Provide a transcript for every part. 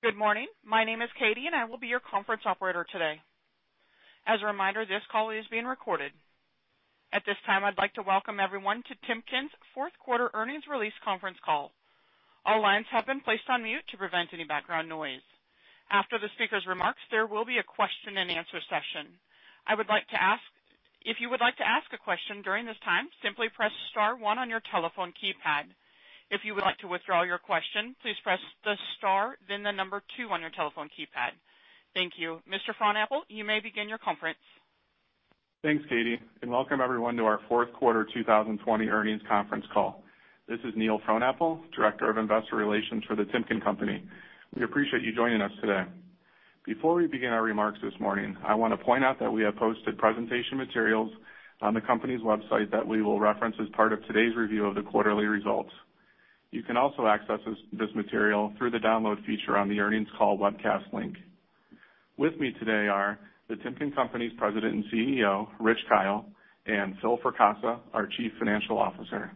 Good morning. My name is Katie. I will be your conference operator today. As a reminder, this call is being recorded. At this time, I'd like to welcome everyone to Timken's fourth quarter earnings release conference call. All lines have been placed on mute to prevent any background noise. After the speaker's remarks, there will be a question-and-answer session. If you would like to ask a question during this time, simply press star one on your telephone keypad. If you would like to withdraw your question, please press the star, then the number two on your telephone keypad. Thank you. Mr. Frohnapple, you may begin your conference. Thanks, Katie, and welcome everyone to our fourth quarter 2020 earnings conference call. This is Neil Frohnapple, Director of Investor Relations for the Timken Company. We appreciate you joining us today. Before we begin our remarks this morning, I want to point out that we have posted presentation materials on the company's website that we will reference as part of today's review of the quarterly results. You can also access this material through the Download feature on the earnings call webcast link. With me today are the Timken Company's President and CEO, Rich Kyle, and Phil Fracassa, our Chief Financial Officer.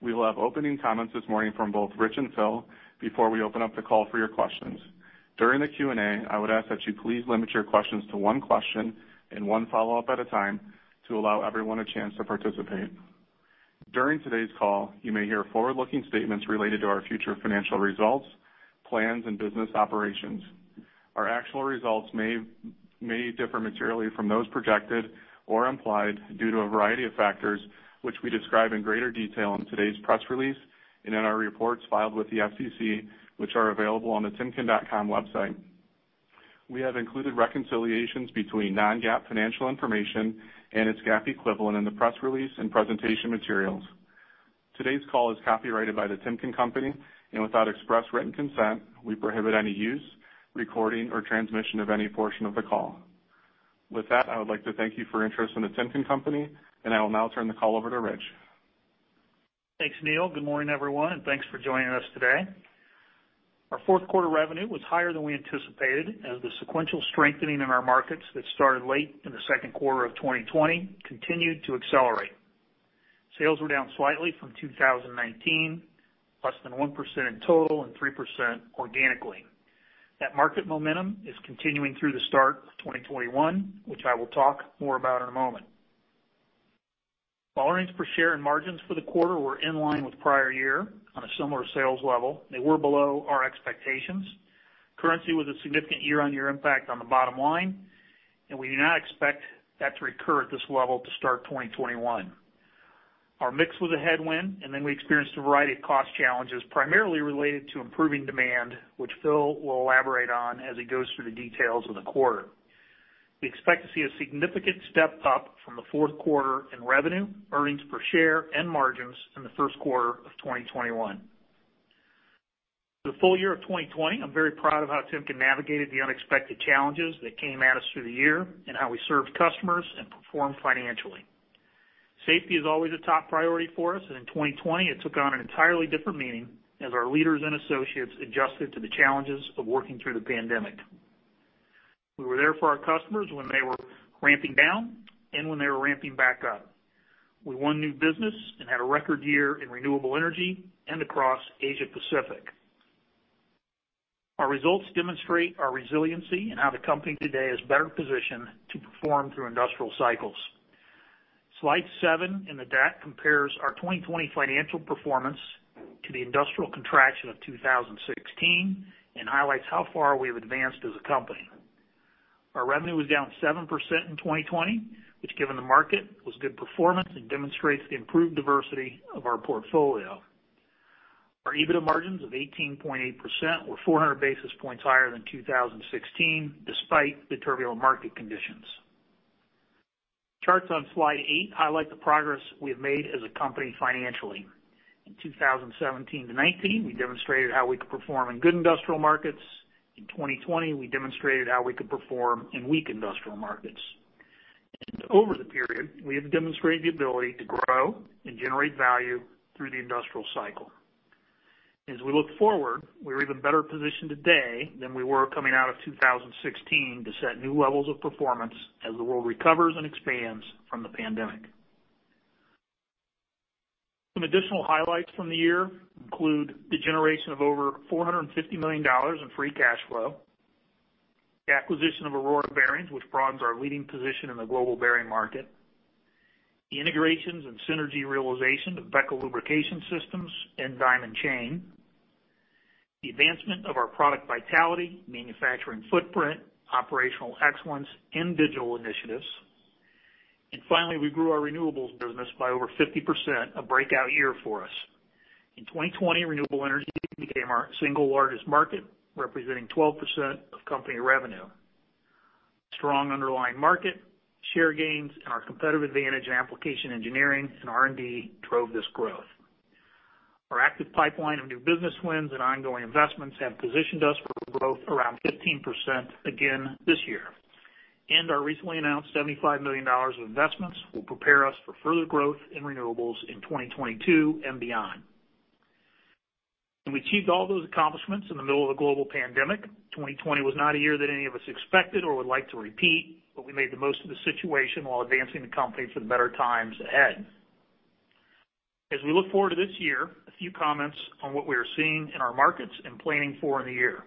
We will have opening comments this morning from both Rich and Phil before we open up the call for your questions. During the Q&A, I would ask that you please limit your questions to one question and one follow-up at a time to allow everyone a chance to participate. During today's call, you may hear forward-looking statements related to our future financial results, plans, and business operations. Our actual results may differ materially from those projected or implied due to a variety of factors, which we describe in greater detail in today's press release and in our reports filed with the SEC, which are available on the timken.com website. We have included reconciliations between non-GAAP financial information and its GAAP equivalent in the press release and presentation materials. Today's call is copyrighted by the Timken Company, and without express written consent, we prohibit any use, recording, or transmission of any portion of the call. With that, I would like to thank you for your interest in the Timken Company, and I will now turn the call over to Rich. Thanks, Neil. Good morning, everyone, and thanks for joining us today. Our fourth quarter revenue was higher than we anticipated as the sequential strengthening in our markets that started late in the second quarter of 2020 continued to accelerate. Sales were down slightly from 2019, less than 1% in total and 3% organically. That market momentum is continuing through the start of 2021, which I will talk more about in a moment. Earnings per share and margins for the quarter were in line with prior year on a similar sales level. They were below our expectations. Currency was a significant year-on-year impact on the bottom line, and we do not expect that to recur at this level to start 2021. Our mix was a headwind, we experienced a variety of cost challenges, primarily related to improving demand, which Phil will elaborate on as he goes through the details of the quarter. We expect to see a significant step up from the fourth quarter in revenue, earnings per share, and margins in the first quarter of 2021. For the full year of 2020, I'm very proud of how Timken navigated the unexpected challenges that came at us through the year and how we served customers and performed financially. Safety is always a top priority for us, in 2020, it took on an entirely different meaning as our leaders and associates adjusted to the challenges of working through the pandemic. We were there for our customers when they were ramping-down and when they were ramping back up. We won new business and had a record year in renewable energy and across Asia Pacific. Our results demonstrate our resiliency and how the company today is better positioned to perform through industrial cycles. Slide seven in the deck compares our 2020 financial performance to the industrial contraction of 2016 and highlights how far we've advanced as a company. Our revenue was down 7% in 2020, which given the market, was good performance and demonstrates the improved diversity of our portfolio. Our EBITDA margins of 18.8% were 400 basis points higher than 2016, despite the turbulent market conditions. Charts on slide eight highlight the progress we have made as a company financially. In 2017 to 2019, we demonstrated how we could perform in good industrial markets. In 2020, we demonstrated how we could perform in weak industrial markets. Over the period, we have demonstrated the ability to grow and generate value through the industrial cycle. As we look forward, we're even better positioned today than we were coming out of 2016 to set new levels of performance as the world recovers and expands from the pandemic. Some additional highlights from the year include the generation of over $450 million in free cash flow. The acquisition of Aurora Bearings, which broadens our leading position in the global bearing market. The integrations and synergy realization of BEKA Lubrication Systems and Diamond Chain. The advancement of our product vitality, manufacturing footprint, operational excellence, and digital initiatives. Finally, we grew our renewables business by over 50%, a breakout year for us. In 2020, renewable energy became our single largest market, representing 12% of company revenue. Strong underlying market, share gains, and our competitive advantage in application engineering and R&D drove this growth. Our active pipeline of new business wins and ongoing investments have positioned us for growth around 15% again this year. Our recently announced $75 million of investments will prepare us for further growth in renewables in 2022 and beyond. We achieved all those accomplishments in the middle of a global pandemic. 2020 was not a year that any of us expected or would like to repeat, but we made the most of the situation while advancing the company for the better times ahead. As we look forward to this year, a few comments on what we are seeing in our markets and planning for in the year.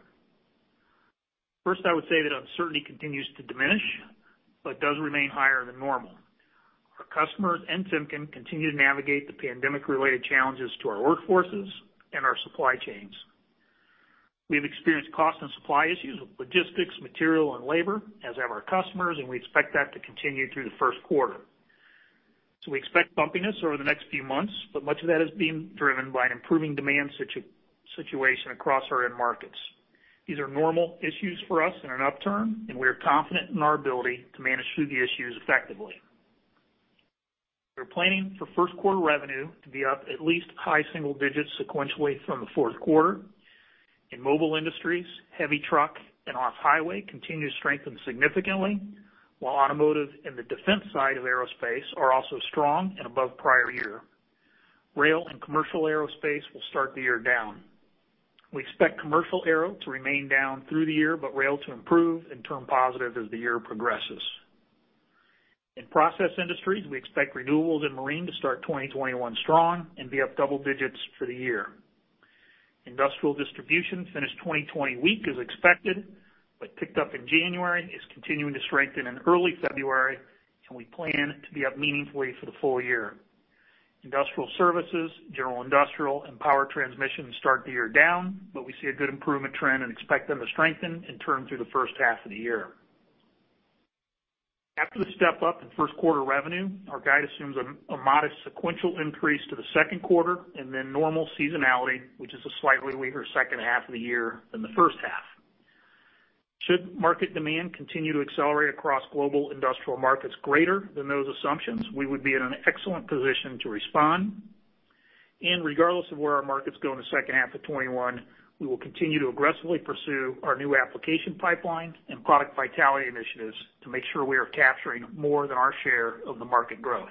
First, I would say that uncertainty continues to diminish, but does remain higher than normal. Our customers and Timken continue to navigate the pandemic-related challenges to our workforces and our supply chains. We've experienced cost and supply issues with logistics, material, and labor, as have our customers, and we expect that to continue through the first quarter. We expect bumpiness over the next few months, but much of that is being driven by an improving demand situation across our end markets. These are normal issues for us in an upturn, and we are confident in our ability to manage through the issues effectively. We're planning for first quarter revenue to be up at least high single digits sequentially from the fourth quarter. In Mobile Industries, heavy truck and off-highway continue to strengthen significantly, while automotive and the defense side of aerospace are also strong and above prior year. Rail and commercial aerospace will start the year down. We expect commercial aero to remain down through the year, but rail to improve and turn positive as the year progresses. In Process Industries, we expect renewables and marine to start 2021 strong and be up double digits for the year. Industrial distribution finished 2020 weak as expected, but picked up in January, is continuing to strengthen in early February, and we plan to be up meaningfully for the full-year. Industrial services, general industrial, and power transmission start the year down, but we see a good improvement trend and expect them to strengthen and turn through the first half of the year. After the step-up in first quarter revenue, our guide assumes a modest sequential increase to the second quarter and then normal seasonality, which is a slightly weaker second half of the year than the first half. Should market demand continue to accelerate across global industrial markets greater than those assumptions, we would be in an excellent position to respond. Regardless of where our markets go in the second half of 2021, we will continue to aggressively pursue our new application pipeline and product vitality initiatives to make sure we are capturing more than our share of the market growth.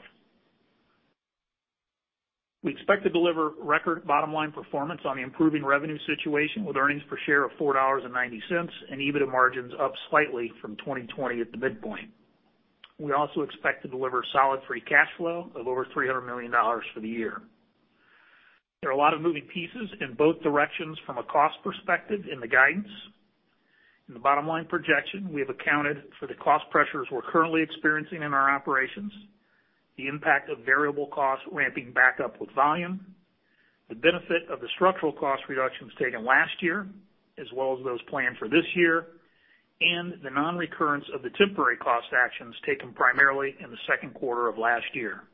We expect to deliver record bottom-line performance on the improving revenue situation, with earnings per share of $4.90 and EBITDA margins up slightly from 2020 at the midpoint. We also expect to deliver solid free cash flow of over $300 million for the year. There are a lot of moving pieces in both directions from a cost perspective in the guidance. In the bottom line projection, we have accounted for the cost pressures we're currently experiencing in our operations, the impact of variable costs ramping back up with volume, the benefit of the structural cost reductions taken last year, as well as those planned for this year, and the non-recurrence of the temporary cost actions taken primarily in the second quarter of last year.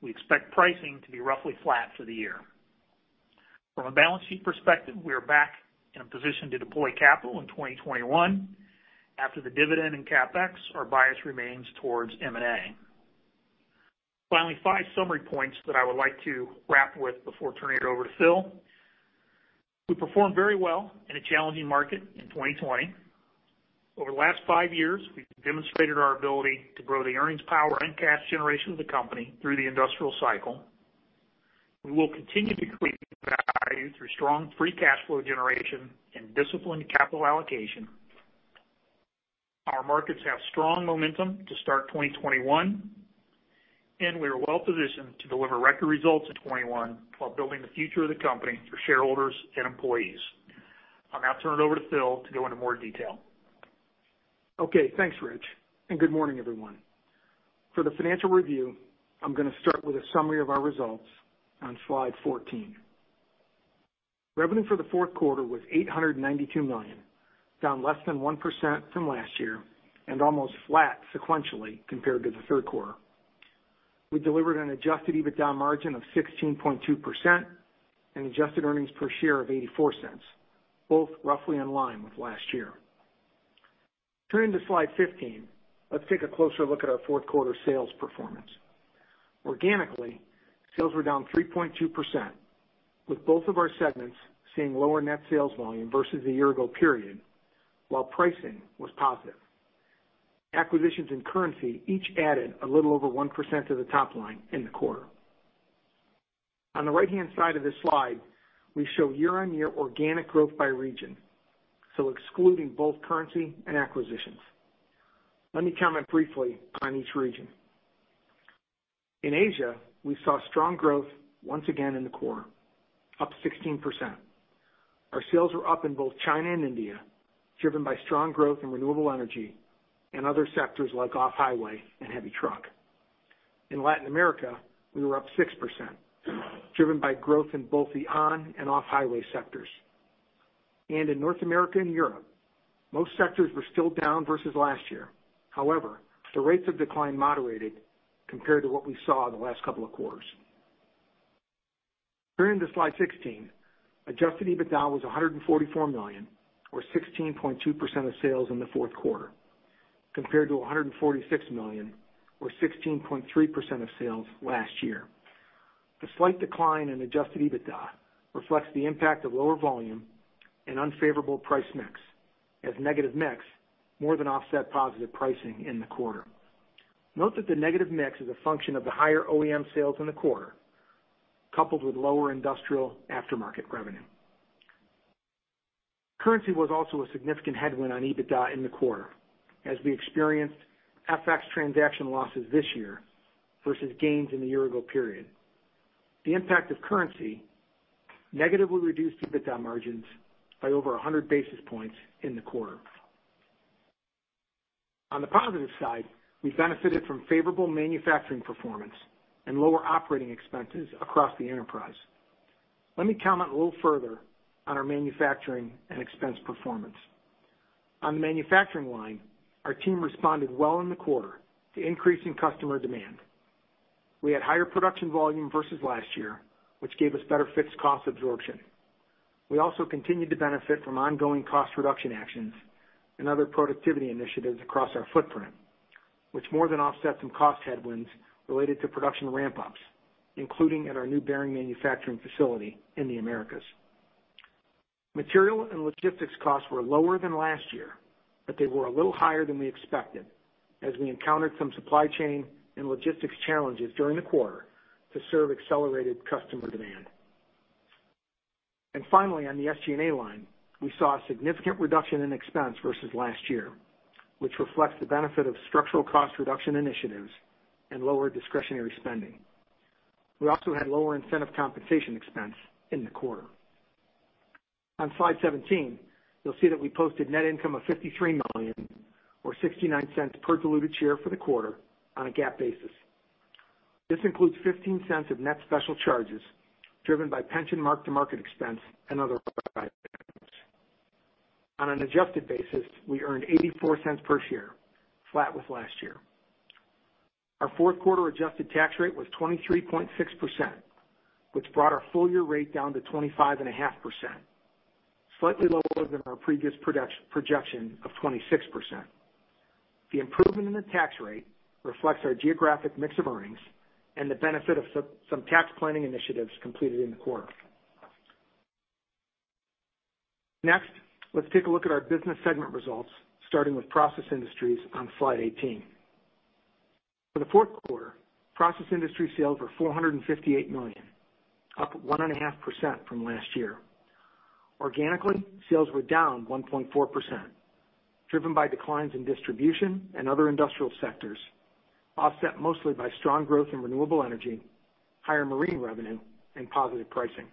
We expect pricing to be roughly flat for the year. From a balance sheet perspective, we are back in a position to deploy capital in 2021. After the dividend and CapEx, our bias remains towards M&A. Finally, five summary points that I would like to wrap with before turning it over to Phil. We performed very well in a challenging market in 2020. Over the last five years, we've demonstrated our ability to grow the earnings power and cash generation of the company through the industrial cycle. We will continue to create value through strong free cash flow generation and disciplined capital allocation. Our markets have strong momentum to start 2021. We are well-positioned to deliver record results in 2021 while building the future of the company for shareholders and employees. I'll now turn it over to Phil to go into more detail. Okay, thanks, Rich, and good morning, everyone. For the financial review, I'm going to start with a summary of our results on slide 14. Revenue for the fourth quarter was $892 million, down less than 1% from last year and almost flat sequentially compared to the third quarter. We delivered an adjusted EBITDA margin of 16.2% and adjusted earnings per share of $0.84, both roughly in line with last year. Turning to slide 15, let's take a closer look at our fourth quarter sales performance. Organically, sales were down 3.2%, with both of our segments seeing lower net sales volume versus the year ago period, while pricing was positive. Acquisitions and currency each added a little over 1% to the top line in the quarter. On the right-hand side of this slide, we show year-on-year organic growth by region, so excluding both currency and acquisitions. Let me comment briefly on each region. In Asia, we saw strong growth once again in the quarter, up 16%. Our sales were up in both China and India, driven by strong growth in renewable energy and other sectors like off-highway and heavy truck. In Latin America, we were up 6%, driven by growth in both the on and off-highway sectors. In North America and Europe, most sectors were still down versus last year. However, the rates of decline moderated compared to what we saw in the last couple of quarters. Turning to slide 16, adjusted EBITDA was $144 million or 16.2% of sales in the fourth quarter, compared to $146 million or 16.3% of sales last year. The slight decline in adjusted EBITDA reflects the impact of lower volume and unfavorable price mix as negative mix more than offset positive pricing in the quarter. Note that the negative mix is a function of the higher OEM sales in the quarter, coupled with lower industrial aftermarket revenue. Currency was also a significant headwind on EBITDA in the quarter, as we experienced FX transaction losses this year versus gains in the year-ago period. The impact of currency negatively reduced EBITDA margins by over 100 basis points in the quarter. On the positive side, we benefited from favorable manufacturing performance and lower operating expenses across the enterprise. Let me comment a little further on our manufacturing and expense performance. On the manufacturing line, our team responded well in the quarter to increasing customer demand. We had higher production volume versus last year, which gave us better fixed cost absorption. We also continued to benefit from ongoing cost reduction actions and other productivity initiatives across our footprint, which more than offset some cost headwinds related to production ramp-ups, including at our new bearing manufacturing facility in the Americas. Material and logistics costs were lower than last year, but they were a little higher than we expected, as we encountered some supply chain and logistics challenges during the quarter to serve accelerated customer demand. Finally, on the SG&A line, we saw a significant reduction in expense versus last year, which reflects the benefit of structural cost reduction initiatives and lower discretionary spending. We also had lower incentive compensation expense in the quarter. On slide 17, you'll see that we posted net income of $53 million, or $0.69 per diluted share for the quarter on a GAAP basis. This includes $0.15 of net special charges driven by pension mark-to-market expense and other items. On an adjusted basis, we earned $0.84 per share, flat with last year. Our fourth quarter adjusted tax rate was 23.6%, which brought our full year rate down to 25.5%, slightly lower than our previous projection of 26%. The improvement in the tax rate reflects our geographic mix of earnings and the benefit of some tax planning initiatives completed in the quarter. Next, let's take a look at our business segment results, starting with Process Industries on slide 18. For the fourth quarter, Process Industries sales were $458 million, up 1.5% from last year. Organically, sales were down 1.4%, driven by declines in distribution and other industrial sectors, offset mostly by strong growth in renewable energy, higher marine revenue, and positive pricing.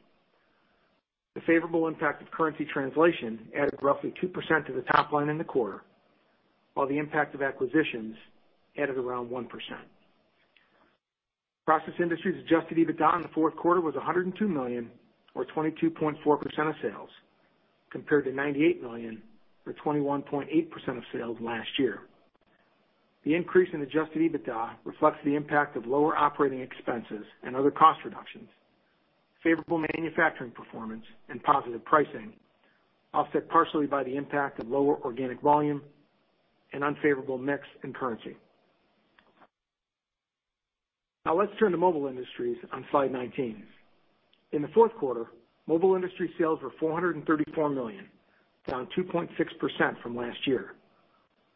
The favorable impact of currency translation added roughly 2% to the top line in the quarter, while the impact of acquisitions added around 1%. Process Industries' adjusted EBITDA in the fourth quarter was $102 million, or 22.4% of sales, compared to $98 million, or 21.8% of sales last year. The increase in adjusted EBITDA reflects the impact of lower operating expenses and other cost reductions, favorable manufacturing performance, and positive pricing, offset partially by the impact of lower organic volume and unfavorable mix in currency. Let's turn to Mobile Industries on slide 19. In the fourth quarter, Mobile Industries' sales were $434 million, down 2.6% from last year.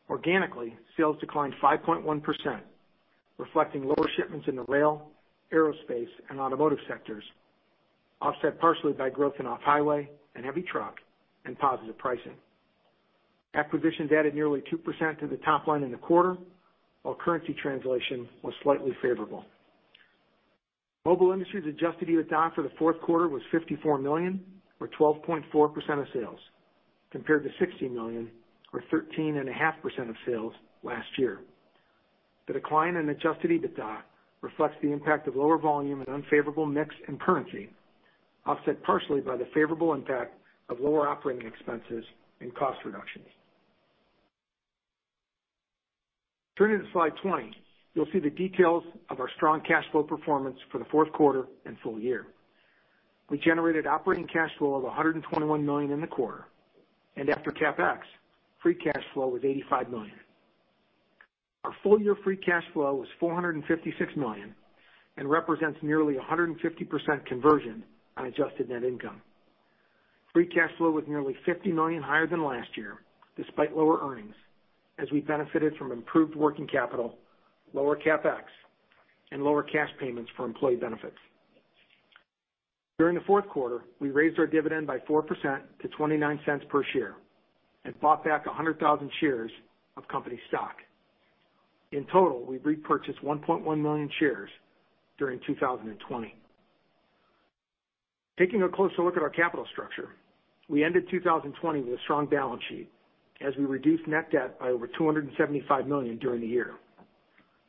Organically, sales declined 5.1%, reflecting lower shipments in the rail, aerospace, and automotive sectors, offset partially by growth in off-highway and heavy truck and positive pricing. Acquisitions added nearly 2% to the top line in the quarter, while currency translation was slightly favorable. Mobile Industries' adjusted EBITDA for the fourth quarter was $54 million, or 12.4% of sales, compared to $60 million, or 13.5% of sales last year. The decline in adjusted EBITDA reflects the impact of lower volume and unfavorable mix in currency, offset partially by the favorable impact of lower operating expenses and cost reductions. Turning to slide 20, you'll see the details of our strong cash flow performance for the fourth quarter and full year. We generated operating cash flow of $121 million in the quarter, and after CapEx, free cash flow was $85 million. Our full-year free cash flow was $456 million and represents nearly 150% conversion on adjusted net income. Free cash flow was nearly $50 million higher than last year, despite lower earnings, as we benefited from improved working capital, lower CapEx, and lower cash payments for employee benefits. During the fourth quarter, we raised our dividend by 4% to $0.29 per share and bought back 100,000 shares of company stock. In total, we've repurchased 1.1 million shares during 2020. Taking a closer look at our capital structure, we ended 2020 with a strong balance sheet as we reduced net debt by over $275 million during the year.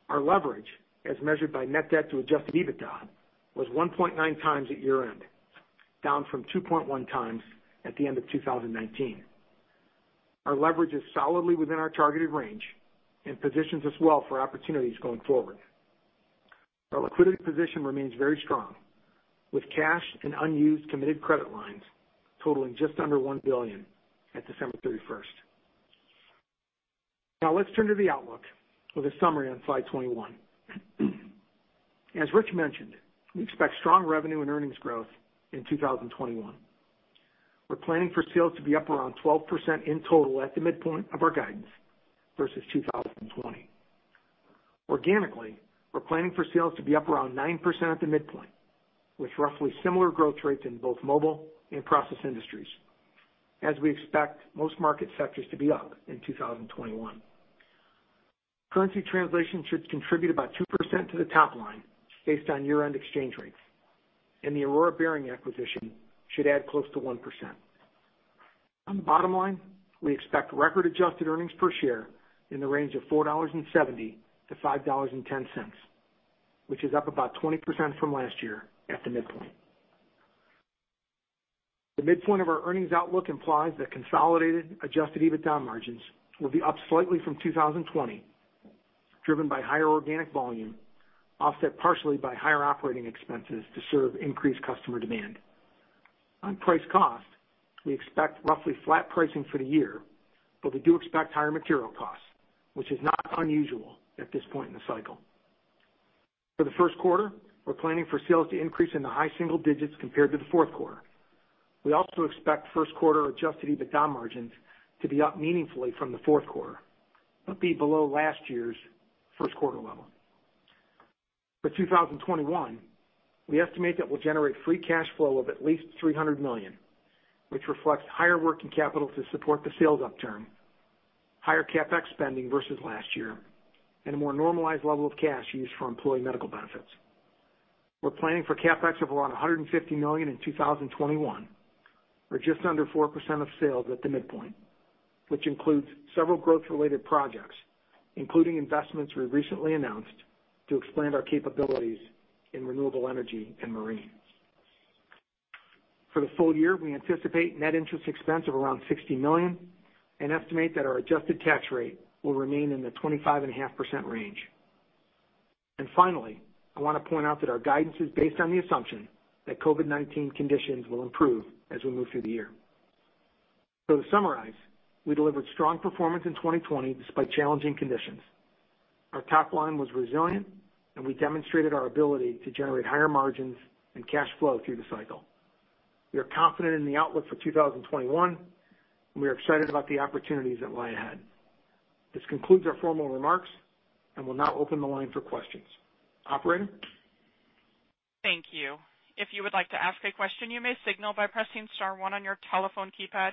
Our leverage, as measured by net debt-to-adjusted EBITDA, was 1.9x at year-end, down from 2.1x at the end of 2019. Our leverage is solidly within our targeted range and positions us well for opportunities going forward. Our liquidity position remains very strong, with cash and unused committed credit lines totaling just under $1 billion at December 31st. Now let's turn to the outlook with a summary on slide 21. As Rich mentioned, we expect strong revenue and earnings growth in 2021. We're planning for sales to be up around 12% in total at the midpoint of our guidance versus 2020. Organically, we're planning for sales to be up around 9% at the midpoint, with roughly similar growth rates in both Mobile and Process Industries, as we expect most market sectors to be up in 2021. Currency translation should contribute about 2% to the top line based on year-end exchange rates, and the Aurora Bearing acquisition should add close to 1%. On the bottom line, we expect record adjusted earnings per share in the range of $4.70-$5.10, which is up about 20% from last year at the midpoint. The midpoint of our earnings outlook implies that consolidated adjusted EBITDA margins will be up slightly from 2020, driven by higher organic volume, offset partially by higher operating expenses to serve increased customer demand. On price cost, we expect roughly flat pricing for the year, but we do expect higher material costs, which is not unusual at this point in the cycle. For the first quarter, we're planning for sales to increase in the high single digits compared to the fourth quarter. We also expect first quarter adjusted EBITDA margins to be up meaningfully from the fourth quarter, but be below last year's first quarter level. For 2021, we estimate that we'll generate free cash flow of at least $300 million, which reflects higher working capital to support the sales upturn, higher CapEx spending versus last year, and a more normalized level of cash used for employee medical benefits. We're planning for CapEx of around $150 million in 2021, or just under 4% of sales at the midpoint, which includes several growth-related projects, including investments we recently announced to expand our capabilities in renewable energy and marine. For the full year, we anticipate net interest expense of around $60 million and estimate that our adjusted tax rate will remain in the 25.5% range. Finally, I want to point out that our guidance is based on the assumption that COVID-19 conditions will improve as we move through the year. To summarize, we delivered strong performance in 2020 despite challenging conditions. Our top line was resilient, and we demonstrated our ability to generate higher margins and cash flow through the cycle. We are confident in the outlook for 2021, and we are excited about the opportunities that lie ahead. This concludes our formal remarks, and we'll now open the line for questions. Operator? Thank you. If you would like to ask a question, you may signal by pressing star one on your telephone keypad.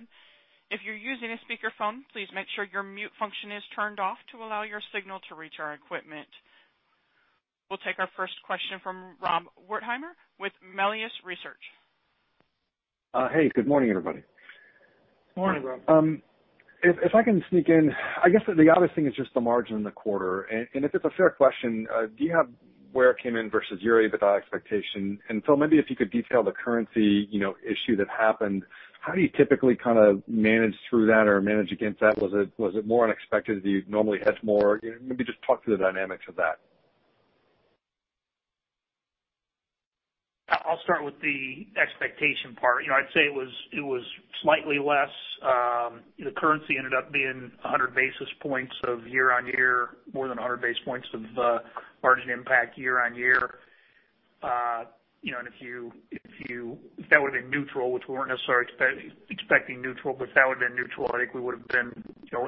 If you're using a speakerphone, please make sure your mute function is turned off to allow your signal to reach our equipment. We'll take our first question from Rob Wertheimer with Melius Research. Hey, good morning, everybody. Morning, Rob. If I can sneak in, I guess the obvious thing is just the margin in the quarter. If it's a fair question, do you have where it came in versus your EBITDA expectation? Phil, maybe if you could detail the currency issue that happened. How do you typically kind of manage through that or manage against that? Was it more unexpected? Do you normally hedge more? Maybe just talk through the dynamics of that. I'll start with the expectation part. I'd say it was slightly less. The currency ended up being 100 basis points of year-over-year, more than 100 basis points of margin impact year-over-year. If that would've been neutral, which we weren't necessarily expecting neutral, if that would've been neutral, I think we would've been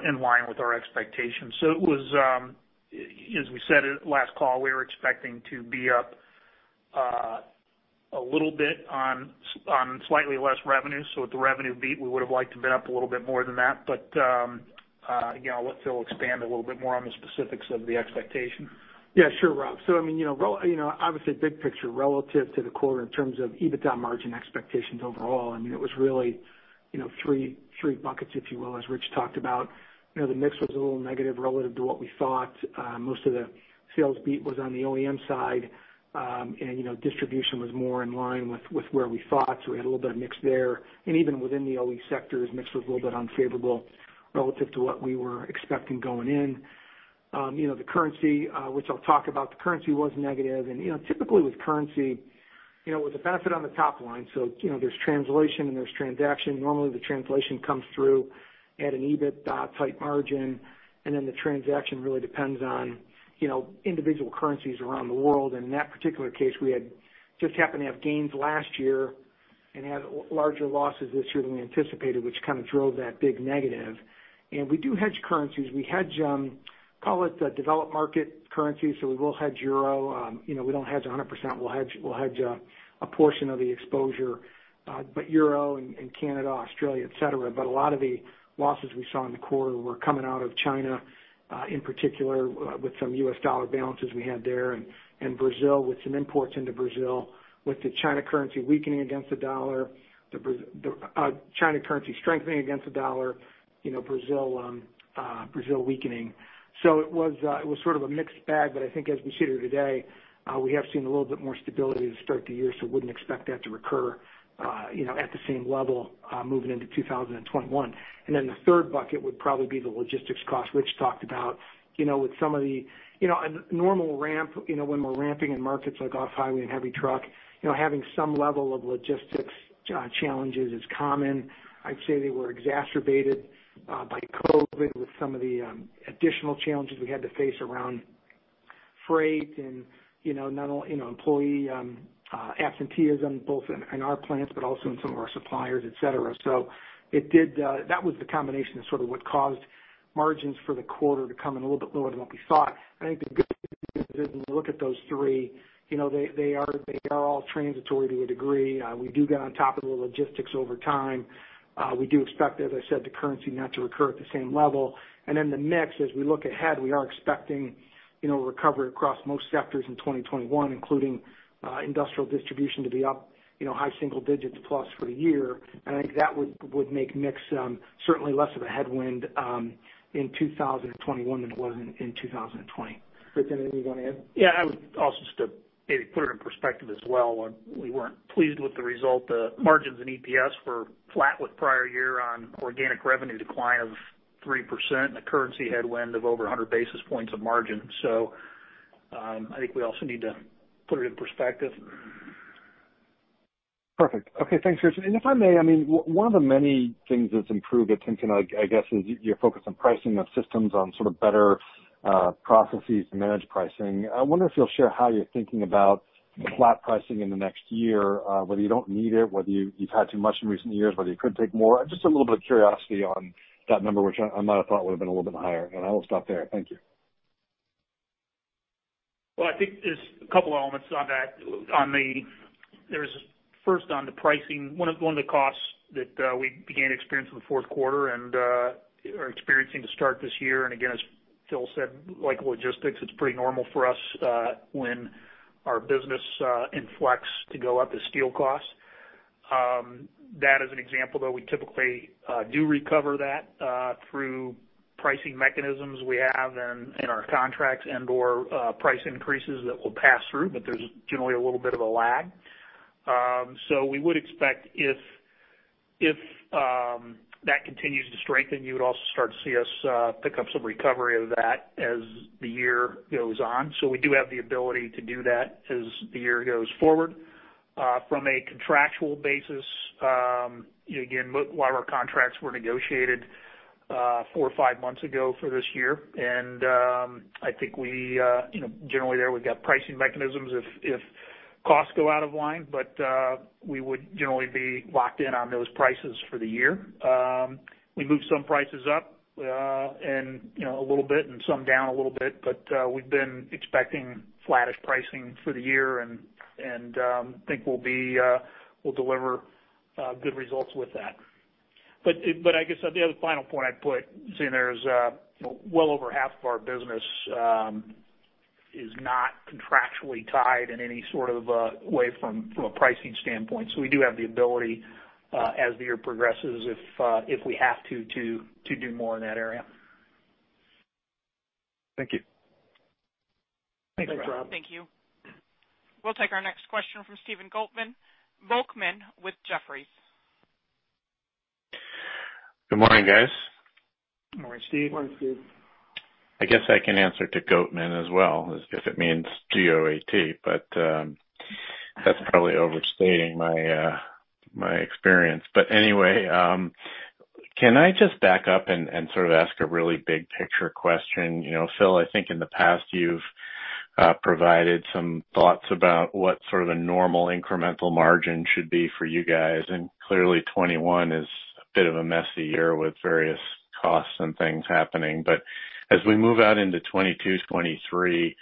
in line with our expectations. As we said last call, we were expecting to be up a little bit on slightly less revenue. With the revenue beat, we would've liked to have been up a little bit more than that. I'll let Phil expand a little bit more on the specifics of the expectation. Yeah, sure, Rob. Obviously, big picture relative to the quarter in terms of EBITDA margin expectations overall, it was really three buckets, if you will, as Rich talked about. The mix was a little negative relative to what we thought. Most of the sales beat was on the OEM side. Distribution was more in line with where we thought, so we had a little bit of mix there. Even within the OE sectors, mix was a little bit unfavorable relative to what we were expecting going in. The currency which I'll talk about, the currency was negative. Typically with currency, it was a benefit on the top line. There's translation and there's transaction. Normally, the translation comes through at an EBITDA type margin, then the transaction really depends on individual currencies around the world. In that particular case, we just happened to have gains last year and had larger losses this year than we anticipated, which kind of drove that big negative. We do hedge currencies. We hedge call it the developed market currencies. We will hedge euro. We don't hedge 100%. We'll hedge a portion of the exposure. Euro and Canada, Australia, et cetera. A lot of the losses we saw in the quarter were coming out of China, in particular, with some U.S. dollar balances we had there, and Brazil, with some imports into Brazil. With the China currency strengthening against the dollar, Brazil weakening. It was sort of a mixed bag. I think as we sit here today, we have seen a little bit more stability to start the year, so wouldn't expect that to recur at the same level moving into 2021. The third bucket would probably be the logistics cost Rich talked about. A normal ramp, when we're ramping in markets like off-highway and heavy truck, having some level of logistics challenges is common. I'd say they were exacerbated by COVID with some of the additional challenges we had to face around freight and employee absenteeism, both in our plants, but also in some of our suppliers, et cetera. That was the combination of sort of what caused margins for the quarter to come in a little bit lower than what we thought. When you look at those three, they are all transitory to a degree. We do get on top of the logistics over time. We do expect, as I said, the currency not to recur at the same level. The mix, as we look ahead, we are expecting recovery across most sectors in 2021, including industrial distribution to be up high single digits plus for the year. I think that would make mix certainly less of a headwind in 2021 than it was in 2020. Rich, anything you want to add? Yeah, I would also just maybe put it in perspective as well. We weren't pleased with the result. The margins in EPS were flat with prior year on organic revenue decline of 3%, and a currency headwind of over 100 basis points of margin. I think we also need to put it in perspective. Perfect. Okay, thanks, Rich. If I may, one of the many things that's improved at Timken, I guess, is your focus on pricing of systems on sort of better processes to manage pricing. I wonder if you'll share how you're thinking about the flat pricing in the next year, whether you don't need it, whether you've had too much in recent years, whether you could take more. Just a little bit of curiosity on that number, which I might have thought would've been a little bit higher. I will stop there. Thank you. Well, I think there's a couple elements on that. First, on the pricing, one of the costs that we began to experience in the fourth quarter and are experiencing to start this year, and again, as Phil said, like logistics, it's pretty normal for us, when our business inflects to go up as steel costs. That as an example, though, we typically do recover that through pricing mechanisms we have in our contracts and/or price increases that we'll pass through, but there's generally a little bit of a lag. We would expect if that continues to strengthen, you would also start to see us pick up some recovery of that as the year goes on. We do have the ability to do that as the year goes forward. From a contractual basis, again, a lot of our contracts were negotiated four or five months ago for this year. I think generally there, we've got pricing mechanisms if costs go out of line. We would generally be locked in on those prices for the year. We moved some prices up a little bit and some down a little bit, but we've been expecting flattish pricing for the year and think we'll deliver good results with that. I guess the other final point I'd put, seeing there's well over half of our business is not contractually tied in any sort of a way from a pricing standpoint. We do have the ability, as the year progresses, if we have to do more in that area. Thank you. Thanks, Rob. Thank you. We'll take our next question from Stephen Volkmann with Jefferies. Good morning, guys. Morning, Steve. Morning, Steve. I guess I can answer to Goatman as well, if it means G-O-A-T, but that's probably overstating my experience. Anyway, can I just back up and sort of ask a really big picture question? Phil, I think in the past you've provided some thoughts about what sort of a normal incremental margin should be for you guys, and clearly 2021 is a bit of a messy year with various costs and things happening. As we move out into 2022-2023,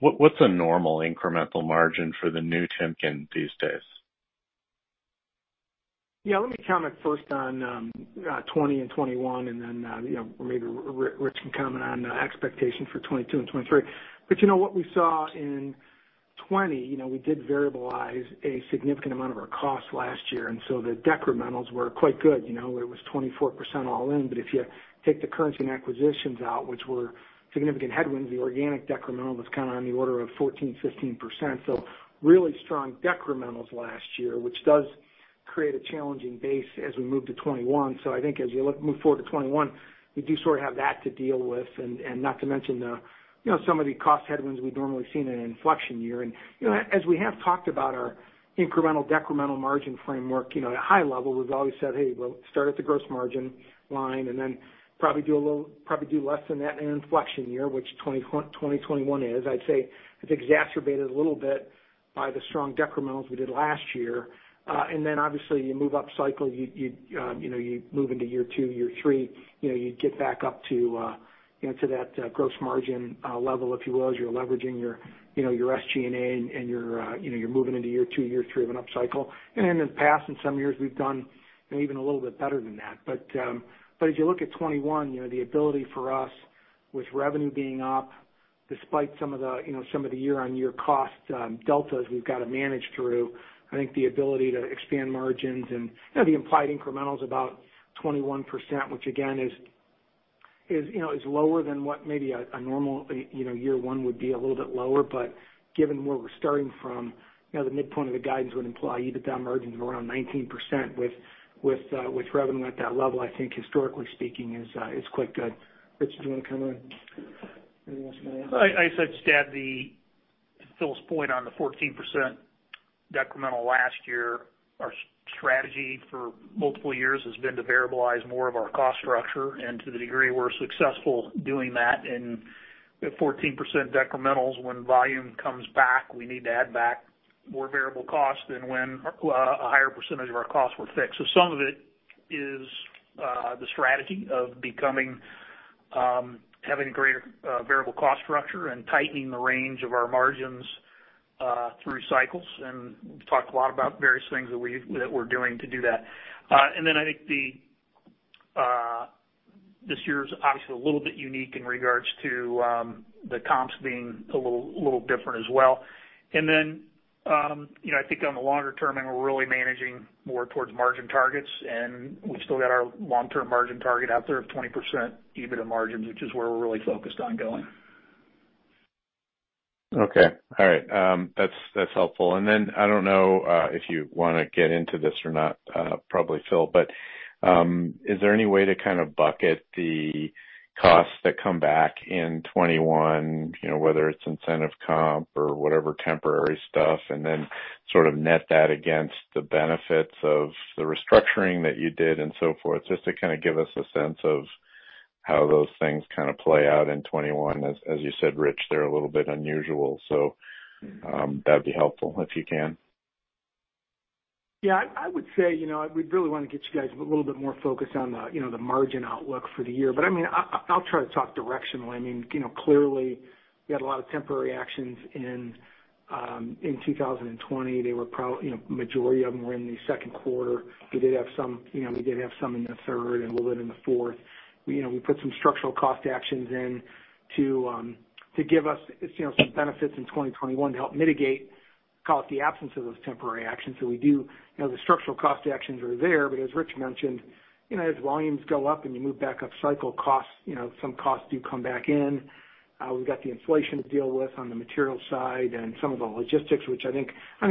what's a normal incremental margin for the new Timken these days? Let me comment first on 2020 and 2021 and then maybe Rich can comment on expectation for 2022 and 2023. What we saw in 2020, we did variabilize a significant amount of our cost last year, and the decrementals were quite good. It was 24% all in, but if you take the currency and acquisitions out, which were significant headwinds, the organic decremental was kind of on the order of 14%-15%. Really strong decrementals last year, which does create a challenging base as we move to 2021. I think as you move forward to 2021, we do sort of have that to deal with, and not to mention some of the cost headwinds we'd normally see in an inflection year. As we have talked about our incremental/decremental margin framework, at high level, we've always said, hey, we'll start at the gross margin line and then probably do less than that in an inflection year, which 2021 is. I'd say it's exacerbated a little bit by the strong decrementals we did last year. Then obviously you move up cycle, you move into year two, year three, you get back up to that gross margin level, if you will, as you're leveraging your SG&A and you're moving into year two, year three of an up cycle. In the past, in some years, we've done maybe even a little bit better than that. As you look at 2021, the ability for us with revenue being up despite some of the year-over-year cost deltas we've got to manage through, I think the ability to expand margins and the implied incremental is about 21%, which again is lower than what maybe a normal year one would be, a little bit lower. Given where we're starting from, the midpoint of the guidance would imply EBITDA margins of around 19% with revenue at that level, I think historically speaking is quite good. Rich, do you want to comment on anything else you want to add? I'd just add to Phil's point on the 14% decremental last year. Our strategy for multiple years has been to variabilize more of our cost structure. To the degree we're successful doing that in the 14% decrementals when volume comes back, we need to add back more variable costs than when a higher percentage of our costs were fixed. Some of it is the strategy of having a greater variable cost structure and tightening the range of our margins through cycles. We've talked a lot about various things that we're doing to do that. I think this year is obviously a little bit unique in regards to the comps being a little different as well. I think on the longer term, we're really managing more towards margin targets, we've still got our long-term margin target out there of 20% EBITDA margin, which is where we're really focused on going. Okay. All right. That's helpful. Then I don't know if you want to get into this or not, probably Phil, but is there any way to kind of bucket the costs that come back in 2021, whether it's incentive comp or whatever temporary stuff, and then sort of net that against the benefits of the restructuring that you did and so forth, just to kind of give us a sense of how those things kind of play out in 2021? As you said, Rich, they're a little bit unusual, that'd be helpful if you can. Yeah, I would say, we'd really want to get you guys a little bit more focused on the margin outlook for the year. I'll try to talk directionally. Clearly we had a lot of temporary actions in 2020. Majority of them were in the second quarter. We did have some in the third and a little in the fourth. We put some structural cost actions in to give us some benefits in 2021 to help mitigate, call it, the absence of those temporary actions. The structural cost actions are there, but as Rich mentioned, as volumes go up and you move back up cycle costs, some costs do come back in. We've got the inflation to deal with on the material side and some of the logistics, which I think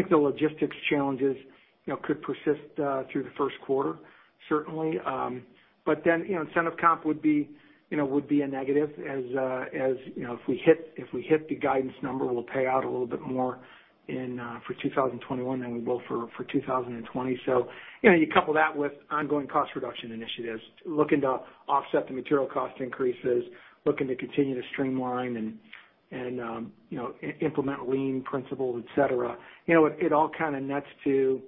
the logistics challenges could persist through the first quarter, certainly. Then, incentive comp would be a negative. If we hit the guidance number, we'll pay out a little bit more for 2021 than we will for 2020. You couple that with ongoing cost reduction initiatives, looking to offset the material cost increases, looking to continue to streamline and implement lean principles, et cetera. It all kind of nets to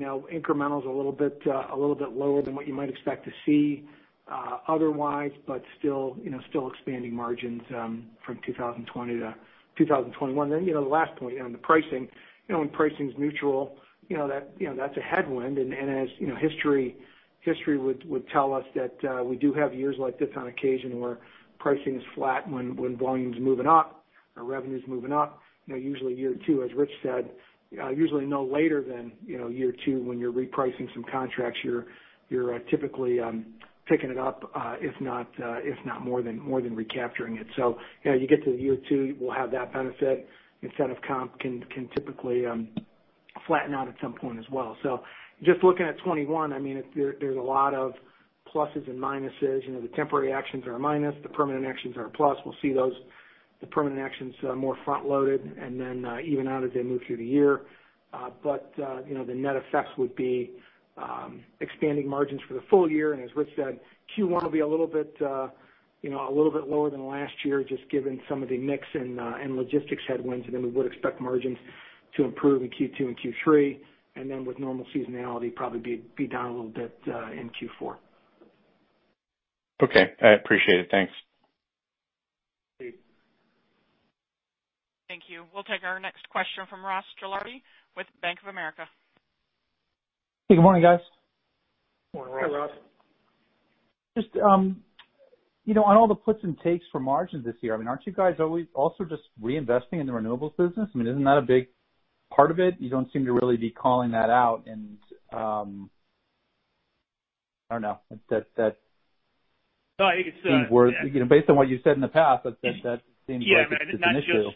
incrementals a little bit lower than what you might expect to see otherwise, but still expanding margins from 2020 to 2021. The last point on the pricing. When pricing's neutral, that's a headwind, and as history would tell us that we do have years like this on occasion where pricing is flat when volume's moving up, our revenue's moving up. Usually year two, as Rich said, usually no later than year two when you're repricing some contracts, you're typically picking it up if not more than recapturing it. You get to year two, we'll have that benefit. Incentive comp can typically flatten out at some point as well. Just looking at 2021, there's a lot of pluses and minuses. The temporary actions are a minus, the permanent actions are a plus. We'll see the permanent actions more front-loaded and then even out as they move through the year. The net effects would be expanding margins for the full year, and as Rich said, Q1 will be a little bit lower than last year, just given some of the mix and logistics headwinds. Then we would expect margins to improve in Q2 and Q3, and then with normal seasonality, probably be down a little bit in Q4. Okay. I appreciate it. Thanks. Great. Thank you. We'll take our next question from Ross Gilardi with Bank of America. Hey, good morning, guys. Morning, Ross. Hi, Ross. Just on all the puts and takes for margins this year, aren't you guys also just reinvesting in the renewables business? Isn't that a big part of it? You don't seem to really be calling that out and I don't know. No, I think it's. Based on what you said in the past, that seems like it's an issue.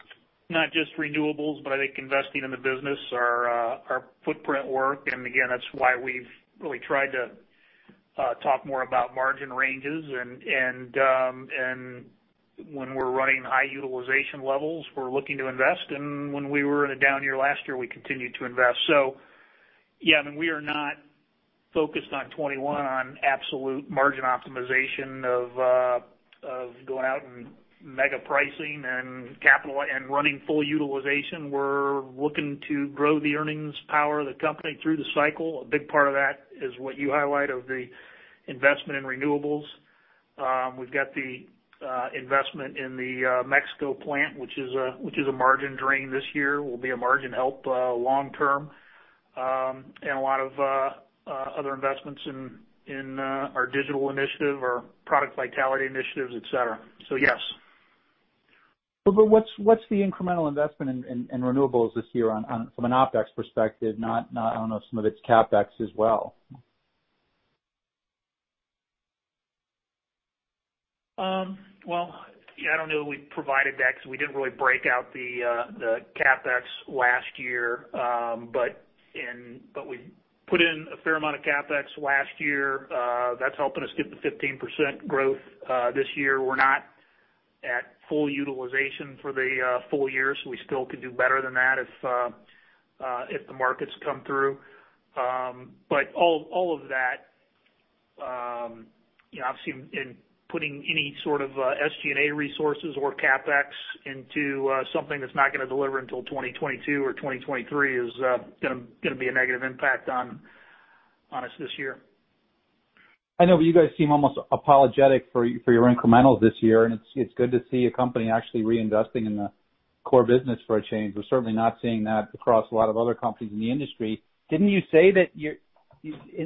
Not just renewables, but I think investing in the business, our footprint work, and again, that's why we've really tried to talk more about margin ranges and when we're running high utilization levels, we're looking to invest. When we were in a down year last year, we continued to invest. Yeah, we are not focused on 2021 on absolute margin optimization of going out and mega pricing and running full utilization. We're looking to grow the earnings power of the company through the cycle. A big part of that is what you highlight of the investment in renewables. We've got the investment in the Mexico plant, which is a margin drain this year, will be a margin help long term. A lot of other investments in our digital initiative, our product vitality initiatives, et cetera. Yes. What's the incremental investment in renewables this year from an OpEx perspective? I don't know if some of it's CapEx as well. I don't know that we provided that because we didn't really break out the CapEx last year. We put in a fair amount of CapEx last year. That's helping us get the 15% growth. This year we're not at full utilization for the full year, so we still could do better than that if the markets come through. All of that obviously, in putting any sort of SG&A resources or CapEx into something that's not going to deliver until 2022 or 2023 is going to be a negative impact on us this year. I know, but you guys seem almost apologetic for your incrementals this year, and it's good to see a company actually reinvesting in the core business for a change. We're certainly not seeing that across a lot of other companies in the industry. Didn't you say that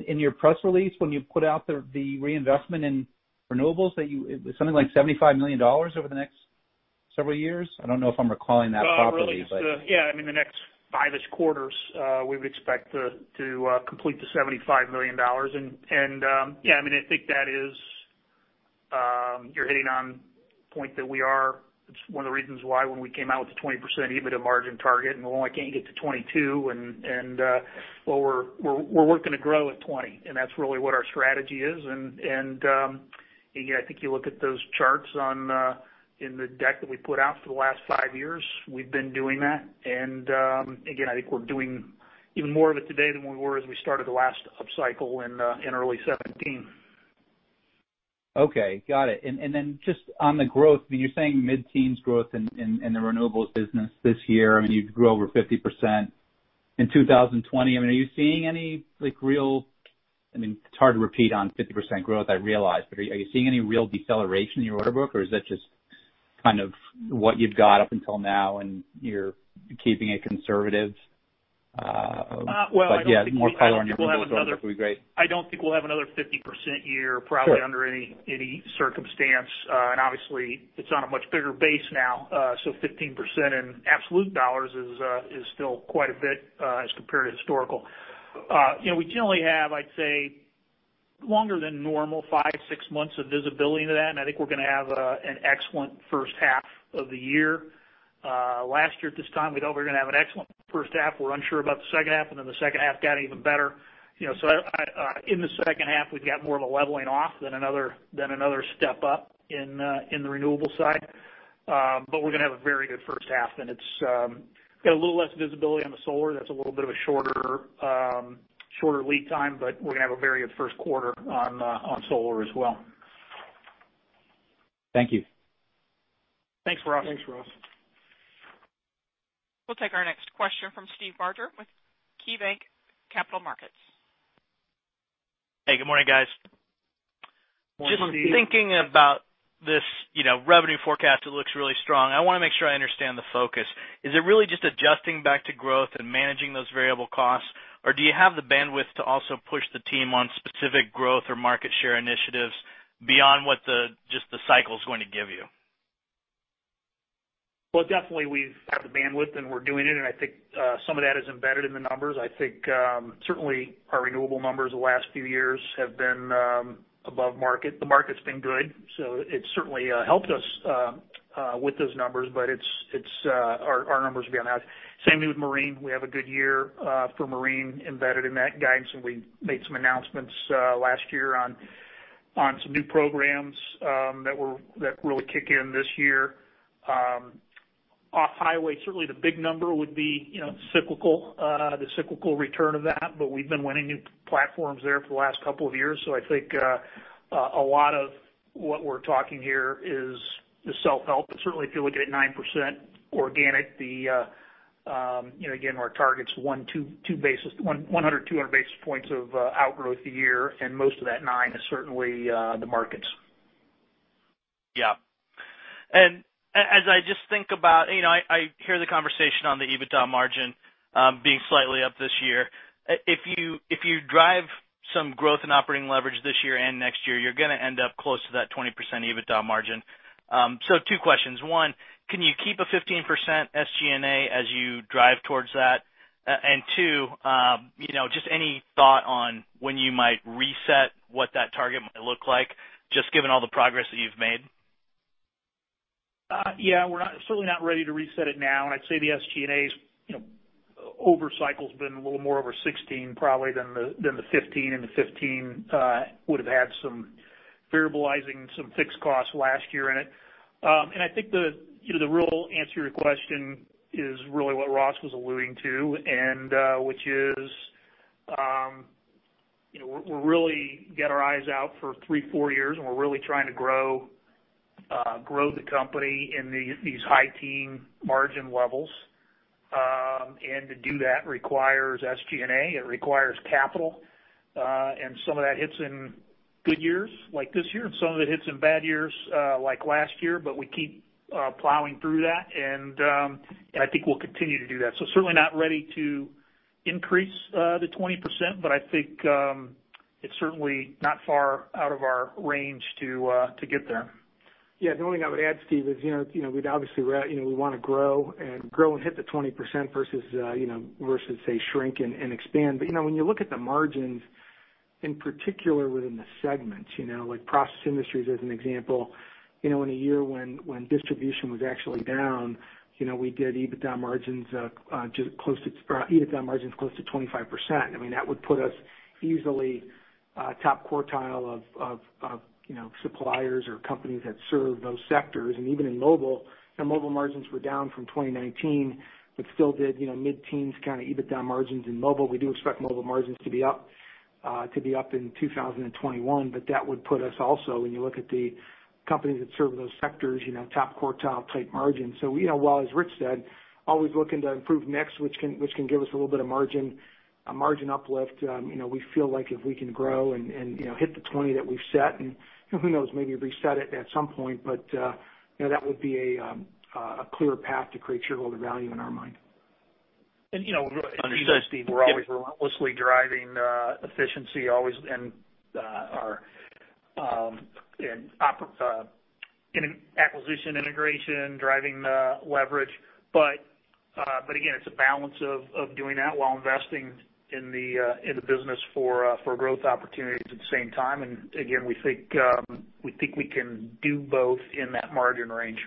in your press release when you put out the reinvestment in renewables, that it was something like $75 million over the next several years? I don't know if I'm recalling that properly. Yeah, in the next five-ish quarters, we would expect to complete the $75 million. Yeah, I think that is, you're hitting on point that It's one of the reasons why when we came out with the 20% EBITDA margin target, we're like, hey, get to 22%. Well, we're working to grow at 20%, that's really what our strategy is, I think you look at those charts in the deck that we put out for the last five years, we've been doing that. Again, I think we're doing even more of it today than we were as we started the last upcycle in early 2017. Okay. Got it. Just on the growth, you're saying mid-teens growth in the renewables business this year. You'd grow over 50% in 2020. It's hard to repeat on 50% growth, I realize. Are you seeing any real deceleration in your order book, or is that just what you've got up until now, and you're keeping it conservative? Well, I don't think we'll have another- Yeah, more color on your growth going forward would be great. I don't think we'll have another 50% year probably under any circumstance. Obviously, it's on a much bigger base now. 15% in absolute dollars is still quite a bit as compared to historical. We generally have, I'd say, longer than normal, five to six months of visibility to that, and I think we're going to have an excellent first half of the year. Last year, at this time, we thought we were going to have an excellent first half. We were unsure about the second half. The second half got even better. In the second half, we've got more of a leveling off than another step up in the renewable side. We're going to have a very good first half, and it's got a little less visibility on the solar. That's a little bit of a shorter lead time, but we're going to have a very good first quarter on solar as well. Thank you. Thanks, Ross. Thanks, Ross. We'll take our next question from Steve Barger with KeyBanc Capital Markets. Hey, good morning, guys. Morning, Steve. Just thinking about this revenue forecast, it looks really strong. I want to make sure I understand the focus. Is it really just adjusting back to growth and managing those variable costs, or do you have the bandwidth to also push the team on specific growth or market share initiatives beyond what just the cycle is going to give you? Well, definitely, we have the bandwidth, and we're doing it, and I think some of that is embedded in the numbers. I think certainly our renewable numbers the last few years have been above market. The market's been good, so it certainly helped us with those numbers, but our numbers will be on that. Same thing with marine. We have a good year for marine embedded in that guidance, and we made some announcements last year on some new programs that really kick in this year. Off-highway, certainly the big number would be the cyclical return of that, but we've been winning new platforms there for the last couple of years. I think a lot of what we're talking here is the self-help. Certainly, if you look at 9% organic, again, our target's 100 basis points-200 basis points of outgrowth a year, and most of that 9% is certainly the markets. Yeah. As I just think about it, I hear the conversation on the EBITDA margin being slightly up this year. If you drive some growth in operating leverage this year and next year, you're going to end up close to that 20% EBITDA margin. Two questions. One, can you keep a 15% SG&A as you drive towards that? Two, just any thought on when you might reset what that target might look like, just given all the progress that you've made? Yeah. We're certainly not ready to reset it now, and I'd say the SG&A over cycle's been a little more over 16%, probably, than the 15%, and the 15% would've had some variable-izing some fixed costs last year in it. I think the real answer to your question is really what Ross was alluding to, which is we're really got our eyes out for three to four years, and we're really trying to grow the company in these high teen margin levels. To do that requires SG&A, it requires capital, and some of that hits in good years like this year, and some of it hits in bad years like last year, but we keep plowing through that, and I think we'll continue to do that. Certainly not ready to increase the 20%, but I think it's certainly not far out of our range to get there. Yeah. The only thing I would add, Steve, is we'd obviously rather we want to grow and hit the 20% versus, say, shrink and expand. When you look at the margins, in particular within the segments, like Process Industries as an example. In a year when distribution was actually down. We did EBITDA margins close to 25%. That would put us easily top quartile of suppliers or companies that serve those sectors. Even in Mobile margins were down from 2019, but still did mid-teens kind of EBITDA margins in Mobile. We do expect Mobile margins to be up in 2021. That would put us also, when you look at the companies that serve those sectors, top quartile type margins. So while, as Rich said, always looking to improve mix, which can give us a little bit of margin uplift. We feel like if we can grow and hit the 20% that we've set and, who knows, maybe reset it at some point, but that would be a clear path to create shareholder value in our mind. Understood. Steve, we're always relentlessly driving efficiency always and our acquisition integration, driving leverage. Again, it's a balance of doing that while investing in the business for growth opportunities at the same time. Again, we think we can do both in that margin range.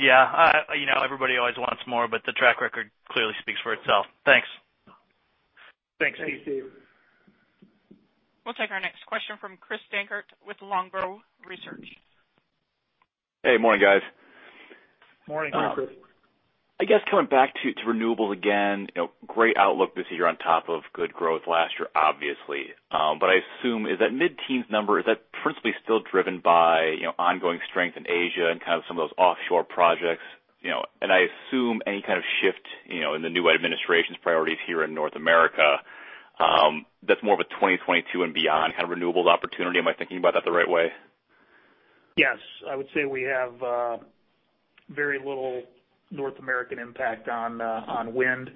Yeah. Everybody always wants more, but the track record clearly speaks for itself. Thanks. Thanks, Steve. Thanks, Steve. We'll take our next question from Chris Dankert with Longbow Research. Hey, morning, guys. Morning, Chris. Morning. I guess coming back to renewables again, great outlook this year on top of good growth last year, obviously. I assume is that mid-teens number, is that principally still driven by ongoing strength in Asia and kind of some of those offshore projects? I assume any kind of shift in the new administration's priorities here in North America, that's more of a 2022 and beyond kind of renewables opportunity. Am I thinking about that the right way? Yes. I would say we have very little North American impact on wind.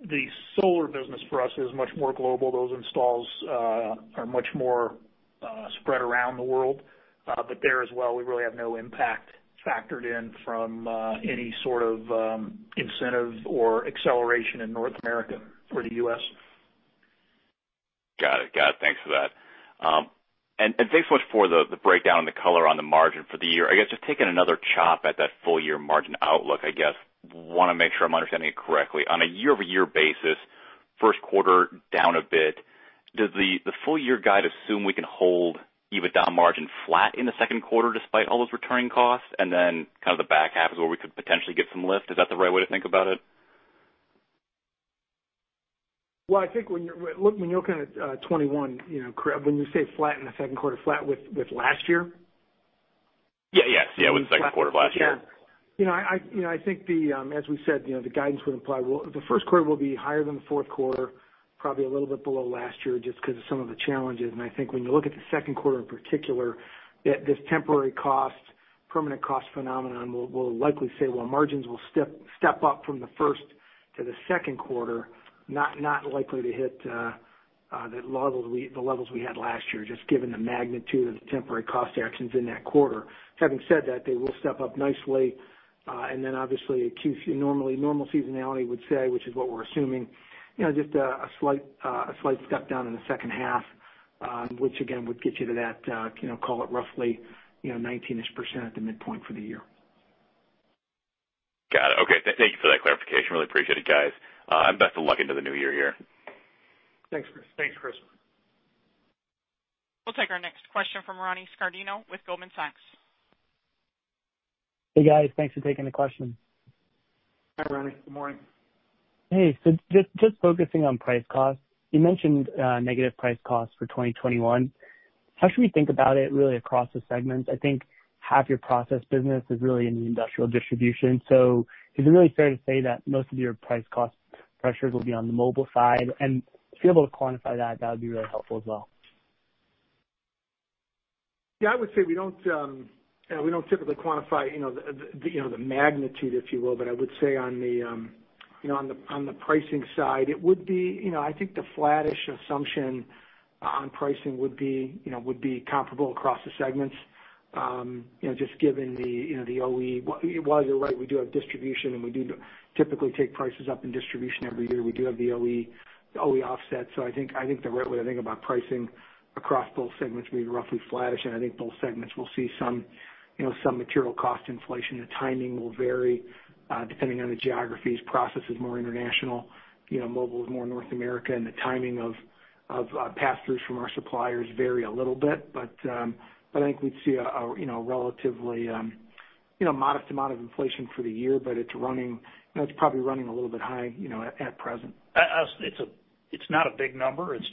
The solar business for us is much more global. Those installs are much more spread around the world. There as well, we really have no impact factored in from any sort of incentive or acceleration in North America for the U.S. Got it. Thanks for that. Thanks so much for the breakdown and the color on the margin for the year. I guess, I want to make sure I'm understanding it correctly. On a year-over-year basis, first quarter down a bit. Does the full-year guide assume we can hold EBITDA margin flat in the second quarter despite all those returning costs, and then kind of the back half is where we could potentially get some lift? Is that the right way to think about it? Well, I think when you're looking at 2021, Chris, when you say flat in the second quarter, flat with last year? Yes. With second quarter of last year. I think as we said, the guidance would imply the first quarter will be higher than the fourth quarter, probably a little bit below last year just because of some of the challenges. I think when you look at the second quarter in particular, this temporary cost, permanent cost phenomenon will likely say while margins will step up from the first to the second quarter, not likely to hit the levels we had last year, just given the magnitude of the temporary cost actions in that quarter. Having said that, they will step up nicely. Then obviously, normal seasonality would say, which is what we're assuming, just a slight step down in the second half, which again would get you to that, call it roughly, 19-ish% at the midpoint for the year. Got it. Okay. Thank you for that clarification. Really appreciate it, guys. Best of luck into the New Year here. Thanks, Chris. Thanks, Chris. We'll take our next question from Ronny Scardino with Goldman Sachs. Hey, guys. Thanks for taking the question. Hi, Ronny. Good morning. Hey. Just focusing on price cost, you mentioned negative price cost for 2021. How should we think about it really across the segments? I think half your process business is really in the industrial distribution. Is it really fair to say that most of your price cost pressures will be on the Mobile side? If you're able to quantify that would be really helpful as well. Yeah, I would say we don't typically quantify the magnitude, if you will. I would say on the pricing side, I think the flattish assumption on pricing would be comparable across the segments, just given the OE. You're right, we do have distribution, and we do typically take prices up in distribution every year. We do have the OE offset. I think the right way to think about pricing across both segments would be roughly flattish, and I think both segments will see some material cost inflation. The timing will vary depending on the geographies. Process is more international, Mobile is more North America, and the timing of pass-throughs from our suppliers vary a little bit. I think we'd see a relatively modest amount of inflation for the year, but it's probably running a little bit high at present. It's not a big number. It's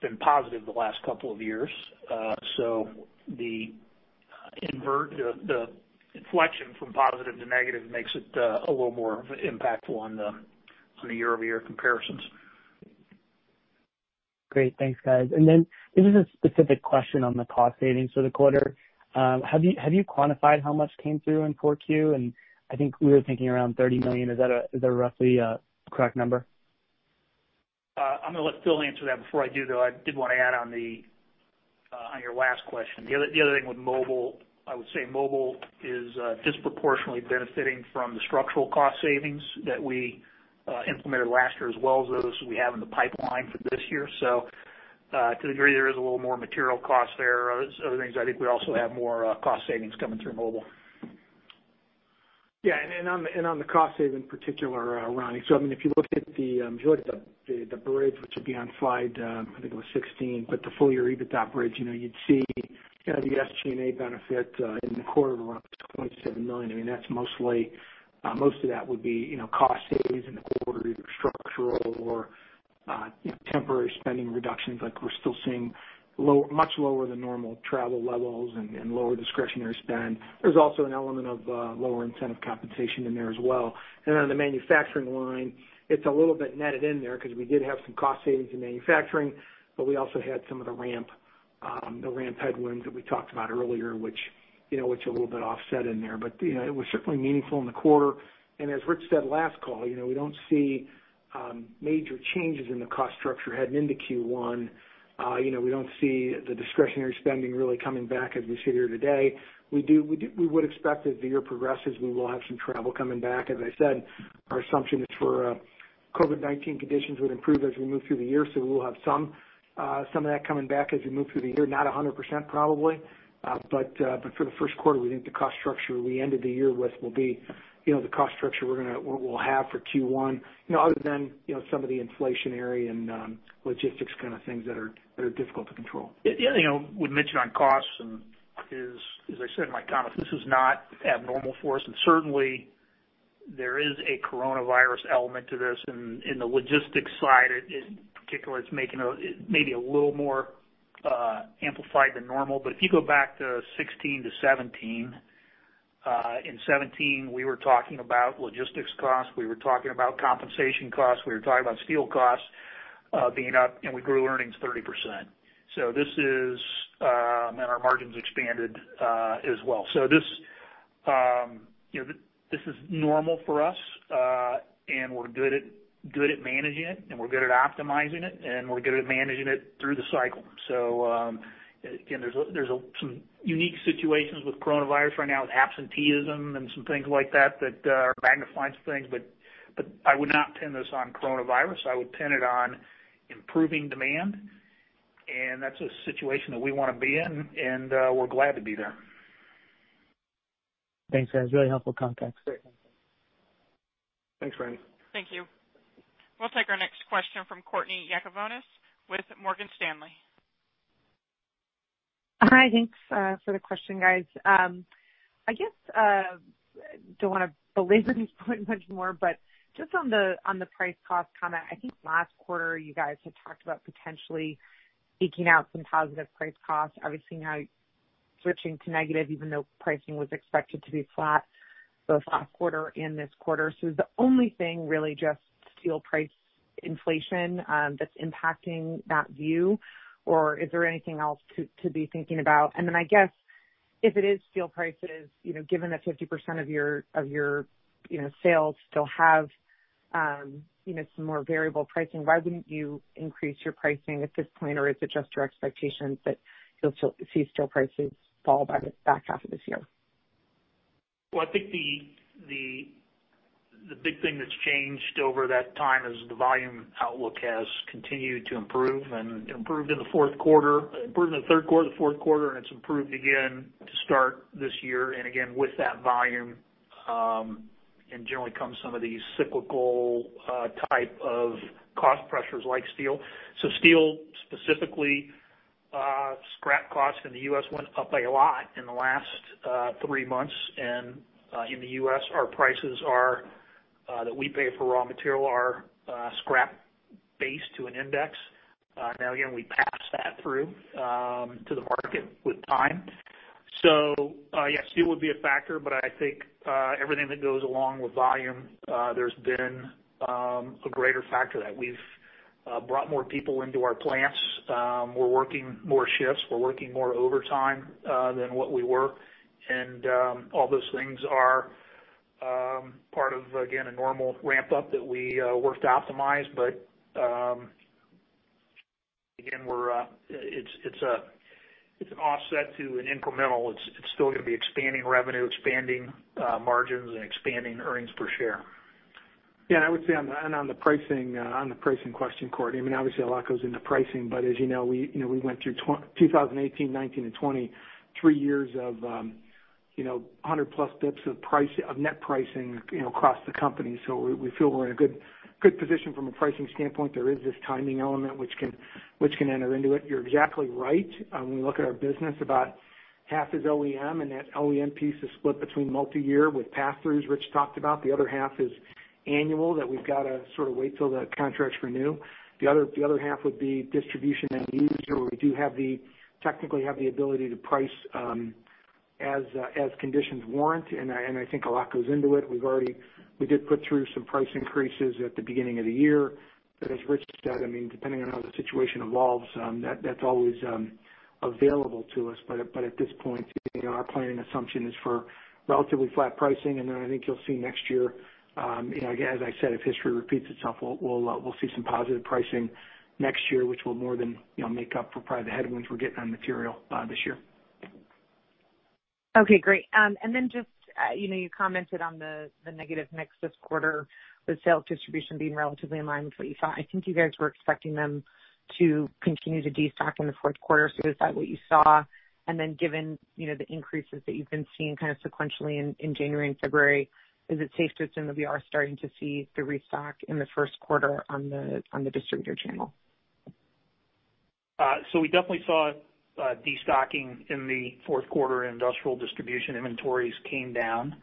been positive the last couple of years. The inflection from positive to negative makes it a little more impactful on the year-over-year comparisons. Great. Thanks, guys. This is a specific question on the cost savings for the quarter. Have you quantified how much came through in 4Q? I think we were thinking around $30 million. Is that roughly a correct number? I'm going to let Phil answer that. Before I do, though, I did want to add on your last question. The other thing with Mobile, I would say Mobile is disproportionately benefiting from the structural cost savings that we implemented last year as well as those we have in the pipeline for this year. To the degree there is a little more material cost there, other things, I think we also have more cost savings coming through Mobile. Yeah. On the cost save in particular, Ronny, if you look at the bridge, which would be on slide 16, the full-year EBITDA bridge, you'd see the SG&A benefit in the quarter of around $27 million. Most of that would be cost saves in the quarter, either structural or temporary spending reductions. Like we're still seeing much lower than normal travel levels and lower discretionary spend. There's also an element of lower incentive compensation in there as well. On the manufacturing line, it's a little bit netted in there because we did have some cost savings in manufacturing, we also had some of the ramp headwinds that we talked about earlier, which a little bit offset in there. It was certainly meaningful in the quarter. As Rich said last call, we don't see major changes in the cost structure heading into Q1. We don't see the discretionary spending really coming back as we sit here today. We would expect as the year progresses, we will have some travel coming back. As I said, our assumption is for COVID-19 conditions would improve as we move through the year, so we will have some of that coming back as we move through the year. Not 100%, probably. For the first quarter, we think the cost structure we ended the year with will be the cost structure we'll have for Q1. Other than some of the inflationary and logistics kind of things that are difficult to control. Yeah. We mentioned on costs, as I said in my comments, this is not abnormal for us, and certainly there is a coronavirus element to this in the logistics side. In particular, it's maybe a little more amplified than normal. If you go back to 2016 to 2017. In 2017, we were talking about logistics costs, we were talking about compensation costs, we were talking about steel costs being up, and we grew earnings 30%. Our margins expanded as well. This is normal for us, and we're good at managing it, and we're good at optimizing it, and we're good at managing it through the cycle. Again, there's some unique situations with coronavirus right now with absenteeism and some things like that are magnifying some things. I would not pin this on coronavirus. I would pin it on improving demand, and that's a situation that we want to be in, and we're glad to be there. Thanks, guys. Really helpful context. Thanks, Ronny. Thank you. We'll take our next question from Courtney Yakavonis with Morgan Stanley. Hi. Thanks for the question, guys. I guess, don't want to belabor this point much more, but just on the price cost comment, I think last quarter you guys had talked about potentially eking out some positive price costs. Obviously, now switching to negative even though pricing was expected to be flat both last quarter and this quarter. Is the only thing really just steel price inflation that's impacting that view, or is there anything else to be thinking about? I guess if it is steel prices, given that 50% of your sales still have some more variable pricing, why wouldn't you increase your pricing at this point, or is it just your expectations that you'll see steel prices fall by the back half of this year? Well, I think the big thing that's changed over that time is the volume outlook has continued to improve and improved in the third quarter, the fourth quarter. It's improved again to start this year. Again, with that volume, generally comes some of these cyclical type of cost pressures like steel. Steel specifically, scrap costs in the U.S. went up a lot in the last three months. In the U.S., our prices that we pay for raw material are scrap based to an index. Now, again, we pass that through to the market with time. Yeah, steel would be a factor, but I think everything that goes along with volume, there's been a greater factor that we've brought more people into our plants. We're working more shifts. We're working more overtime than what we were. All those things are part of, again, a normal ramp-up that we work to optimize. Again, it's an offset to an incremental. It's still going to be expanding revenue, expanding margins, and expanding earnings per share. I would say on the pricing question, Courtney, obviously a lot goes into pricing, but as you know, we went through 2018, 2019, and 2020, three years of 100+ basis points of net pricing across the company. We feel we're in a good position from a pricing standpoint. There is this timing element which can enter into it. You're exactly right. When we look at our business, about half is OEM, and that OEM piece is split between multi-year with passthroughs, Rich talked about. The other half is annual that we've got to sort of wait till the contracts renew. The other half would be distribution and used where we technically have the ability to price as conditions warrant, I think a lot goes into it. We did put through some price increases at the beginning of the year. As Rich said, depending on how the situation evolves, that's always available to us. At this point, our planning assumption is for relatively flat pricing, and then I think you'll see next year, as I said, if history repeats itself, we'll see some positive pricing next year, which will more than make up for probably the headwinds we're getting on material this year. Okay, great. Just you commented on the negative mix this quarter with sales distribution being relatively in line with what you thought. I think you guys were expecting them to continue to destock in the fourth quarter. Is that what you saw? Given the increases that you've been seeing kind of sequentially in January and February, is it safe to assume that we are starting to see the restock in the first quarter on the distributor channel? We definitely saw destocking in the fourth quarter, and industrial distribution inventories came down.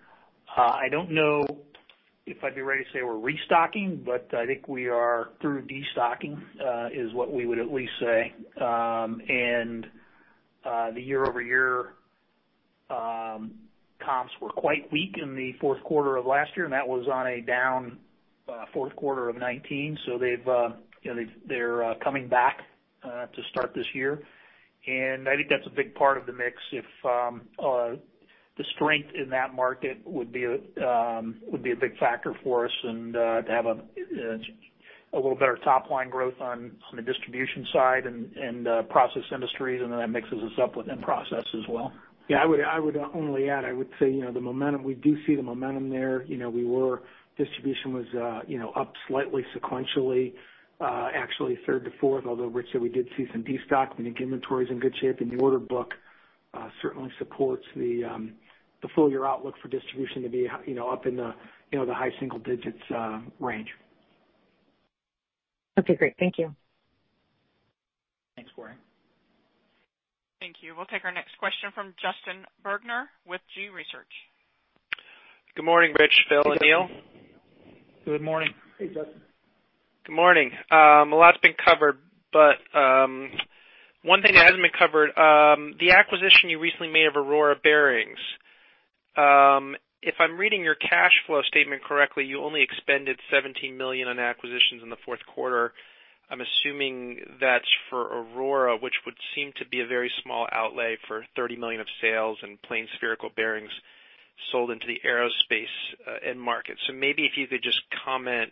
I don't know if I'd be ready to say we're restocking, I think we are through destocking, is what we would at least say. The year-over-year comps were quite weak in the fourth quarter of last year, and that was on a down fourth quarter of 2019. They're coming back to start this year. I think that's a big part of the mix. The strength in that market would be a big factor for us to have a little better top-line growth on the distribution side and the Process Industries, that mixes us up within Process as well. Yeah, I would only add, I would say, we do see the momentum there. Distribution was up slightly sequentially, actually third to fourth, although Rich said we did see some destock. We think inventory's in good shape, and the order book certainly supports the full year outlook for distribution to be up in the high single digits range. Okay, great. Thank you. Thanks, Courtney. Thank you. We'll take our next question from Justin Bergner with G.research. Good morning, Rich, Phil, and Neil. Good morning. Hey, Justin. Good morning. A lot's been covered. One thing that hasn't been covered, the acquisition you recently made of Aurora Bearings. If I'm reading your cash flow statement correctly, you only expended $17 million on acquisitions in the fourth quarter. I'm assuming that's for Aurora, which would seem to be a very small outlay for $30 million of sales in plain spherical bearings sold into the Aerospace end market. Maybe if you could just comment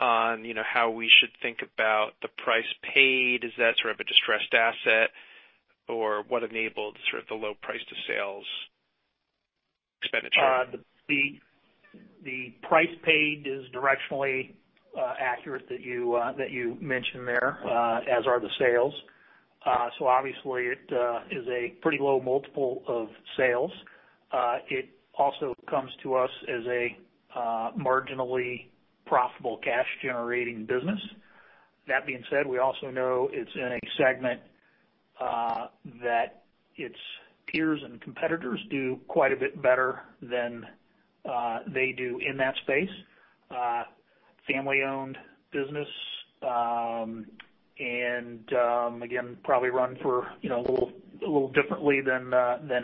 on how we should think about the price paid. Is that sort of a distressed asset, or what enabled sort of the low price to sales expenditure? The price paid is directionally accurate that you mentioned there, as are the sales. Obviously it is a pretty low multiple of sales. It also comes to us as a marginally profitable cash-generating business. That being said, we also know it's in a segment that its peers and competitors do quite a bit better than they do in that space. Family-owned business, again, probably run a little differently than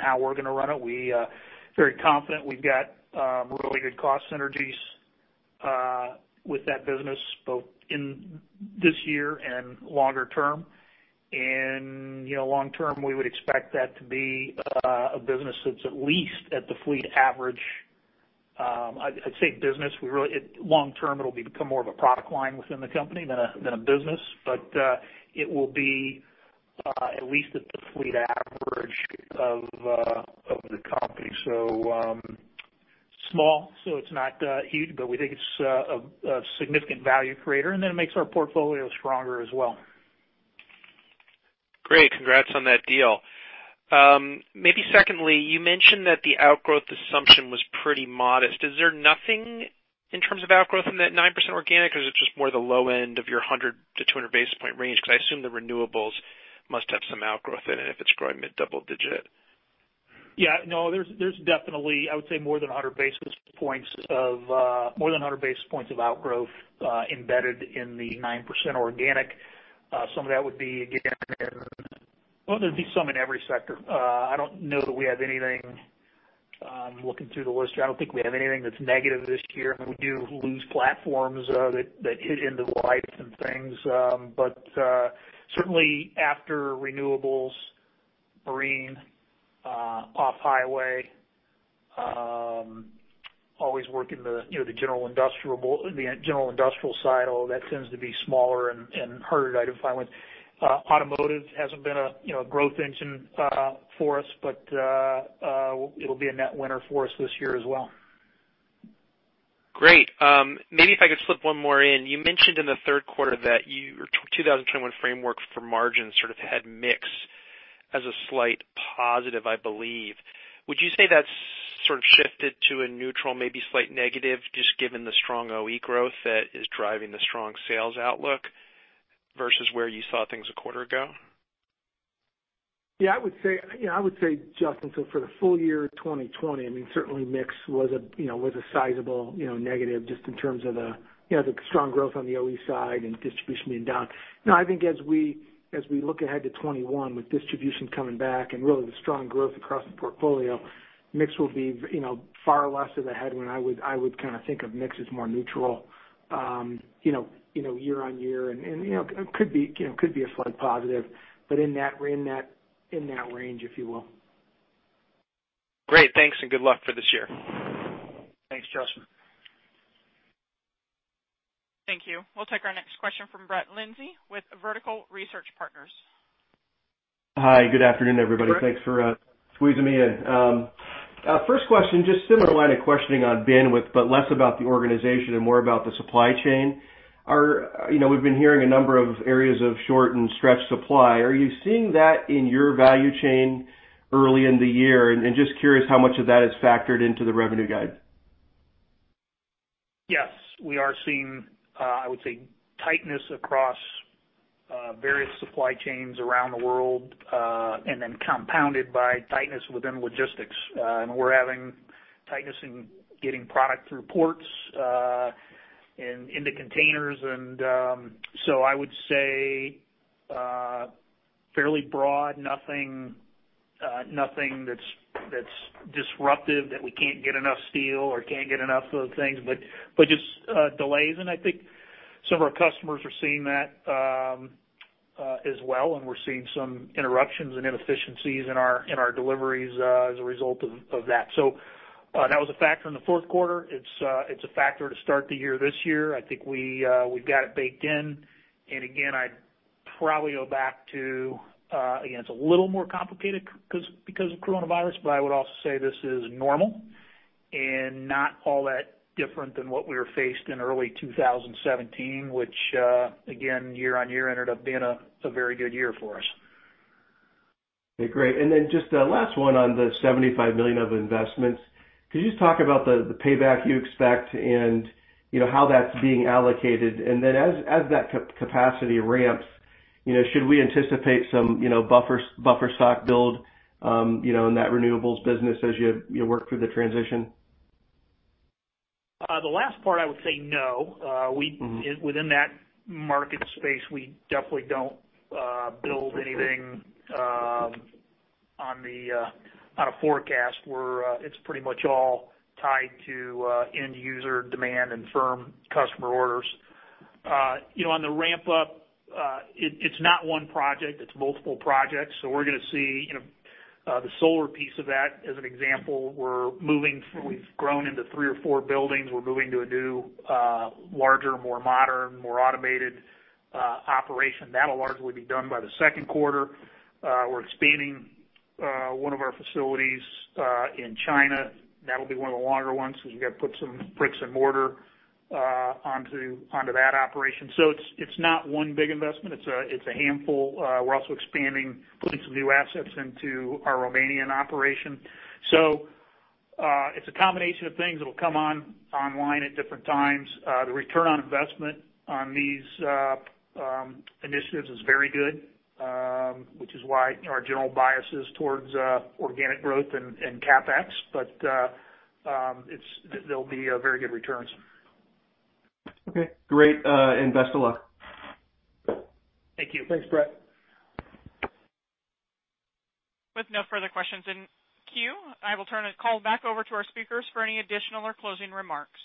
how we're going to run it. We are very confident we've got really good cost synergies with that business, both in this year and longer term. Long term, we would expect that to be a business that's at least at the fleet average. I'd say business, long term, it'll become more of a product line within the company than a business. It will be at least at the fleet average of the company. Small, so it's not huge, but we think it's a significant value creator, and then it makes our portfolio stronger as well. Great. Congrats on that deal. Secondly, you mentioned that the outgrowth assumption was pretty modest. Is there nothing in terms of outgrowth in that 9% organic, or is it just more the low end of your 100 basis point-200 basis point range? I assume the renewables must have some outgrowth in it if it's growing mid double digit. Yeah, no, there's definitely, I would say, more than 100 basis points of outgrowth embedded in the 9% organic. Some of that would be, Well, there'd be some in every sector. I'm looking through the list here. I don't think we have anything that's negative this year. We do lose platforms that end of life and things. Certainly after renewables, marine, off-highway. Always work in the general industrial side, although that tends to be smaller and harder to identify with. Automotive hasn't been a growth engine for us, but it'll be a net winner for us this year as well. Great. Maybe if I could slip one more in. You mentioned in the third quarter that your 2021 framework for margin sort of had mix as a slight positive, I believe. Would you say that's sort of shifted to a neutral, maybe slight negative, just given the strong OE growth that is driving the strong sales outlook versus where you saw things a quarter ago? Yeah, I would say, Justin, for the full-year 2020, certainly mix was a sizable negative just in terms of the strong growth on the OE side and distribution being down. I think as we look ahead to 2021 with distribution coming back and really the strong growth across the portfolio, mix will be far less of a headwind. I would kind of think of mix as more neutral year-on-year, and could be a slight positive, but in that range, if you will. Great. Thanks, and good luck for this year. Thanks, Justin. Thank you. We'll take our next question from Brett Linzey with Vertical Research Partners. Hi. Good afternoon, everybody. Good. Thanks for squeezing me in. First question, just similar line of questioning on bandwidth, but less about the organization and more about the supply chain. We've been hearing a number of areas of short and stretched supply. Are you seeing that in your value chain early in the year? Just curious how much of that is factored into the revenue guide. Yes, we are seeing, I would say, tightness across various supply chains around the world, and then compounded by tightness within logistics. We're having tightness in getting product through ports, into containers. I would say fairly broad, nothing that's disruptive, that we can't get enough steel or can't get enough of the things, but just delays. I think some of our customers are seeing that as well, and we're seeing some interruptions and inefficiencies in our deliveries as a result of that. That was a factor in the fourth quarter. It's a factor to start the year this year. I think we've got it baked in. Again, I'd probably go back to, again, it's a little more complicated because of coronavirus, but I would also say this is normal and not all that different than what we were faced in early 2017, which again, year-on-year ended up being a very good year for us. Okay, great. Just a last one on the $75 million of investments. Could you just talk about the payback you expect and how that's being allocated? As that capacity ramps, should we anticipate some buffer stock build in that renewables business as you work through the transition? The last part, I would say no. Within that market space, we definitely don't build anything on a forecast where it's pretty much all tied to end user demand and firm customer orders. On the ramp up, it's not one project, it's multiple projects. We're going to see the solar piece of that as an example. We've grown into three or four buildings. We're moving to a new, larger, more modern, more automated operation. That'll largely be done by the second quarter. We're expanding one of our facilities in China. That'll be one of the longer ones, because we've got to put some bricks and mortar onto that operation. It's not one big investment. It's a handful. We're also expanding, putting some new assets into our Romanian operation. It's a combination of things that'll come online at different times. The return on investment on these initiatives is very good, which is why our general bias is towards organic growth and CapEx. There'll be very good returns. Okay, great. Best of luck. Thank you. Thanks, Brett. With no further questions in queue, I will turn the call back over to our speakers for any additional or closing remarks.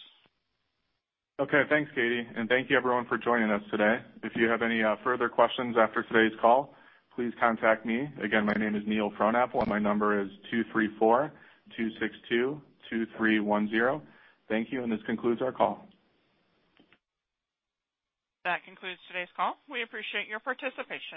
Okay. Thanks, Katie, and thank you everyone for joining us today. If you have any further questions after today's call, please contact me. Again, my name is Neil Frohnapple. My number is 234-262-2310. Thank you, and this concludes our call. That concludes today's call. We appreciate your participation.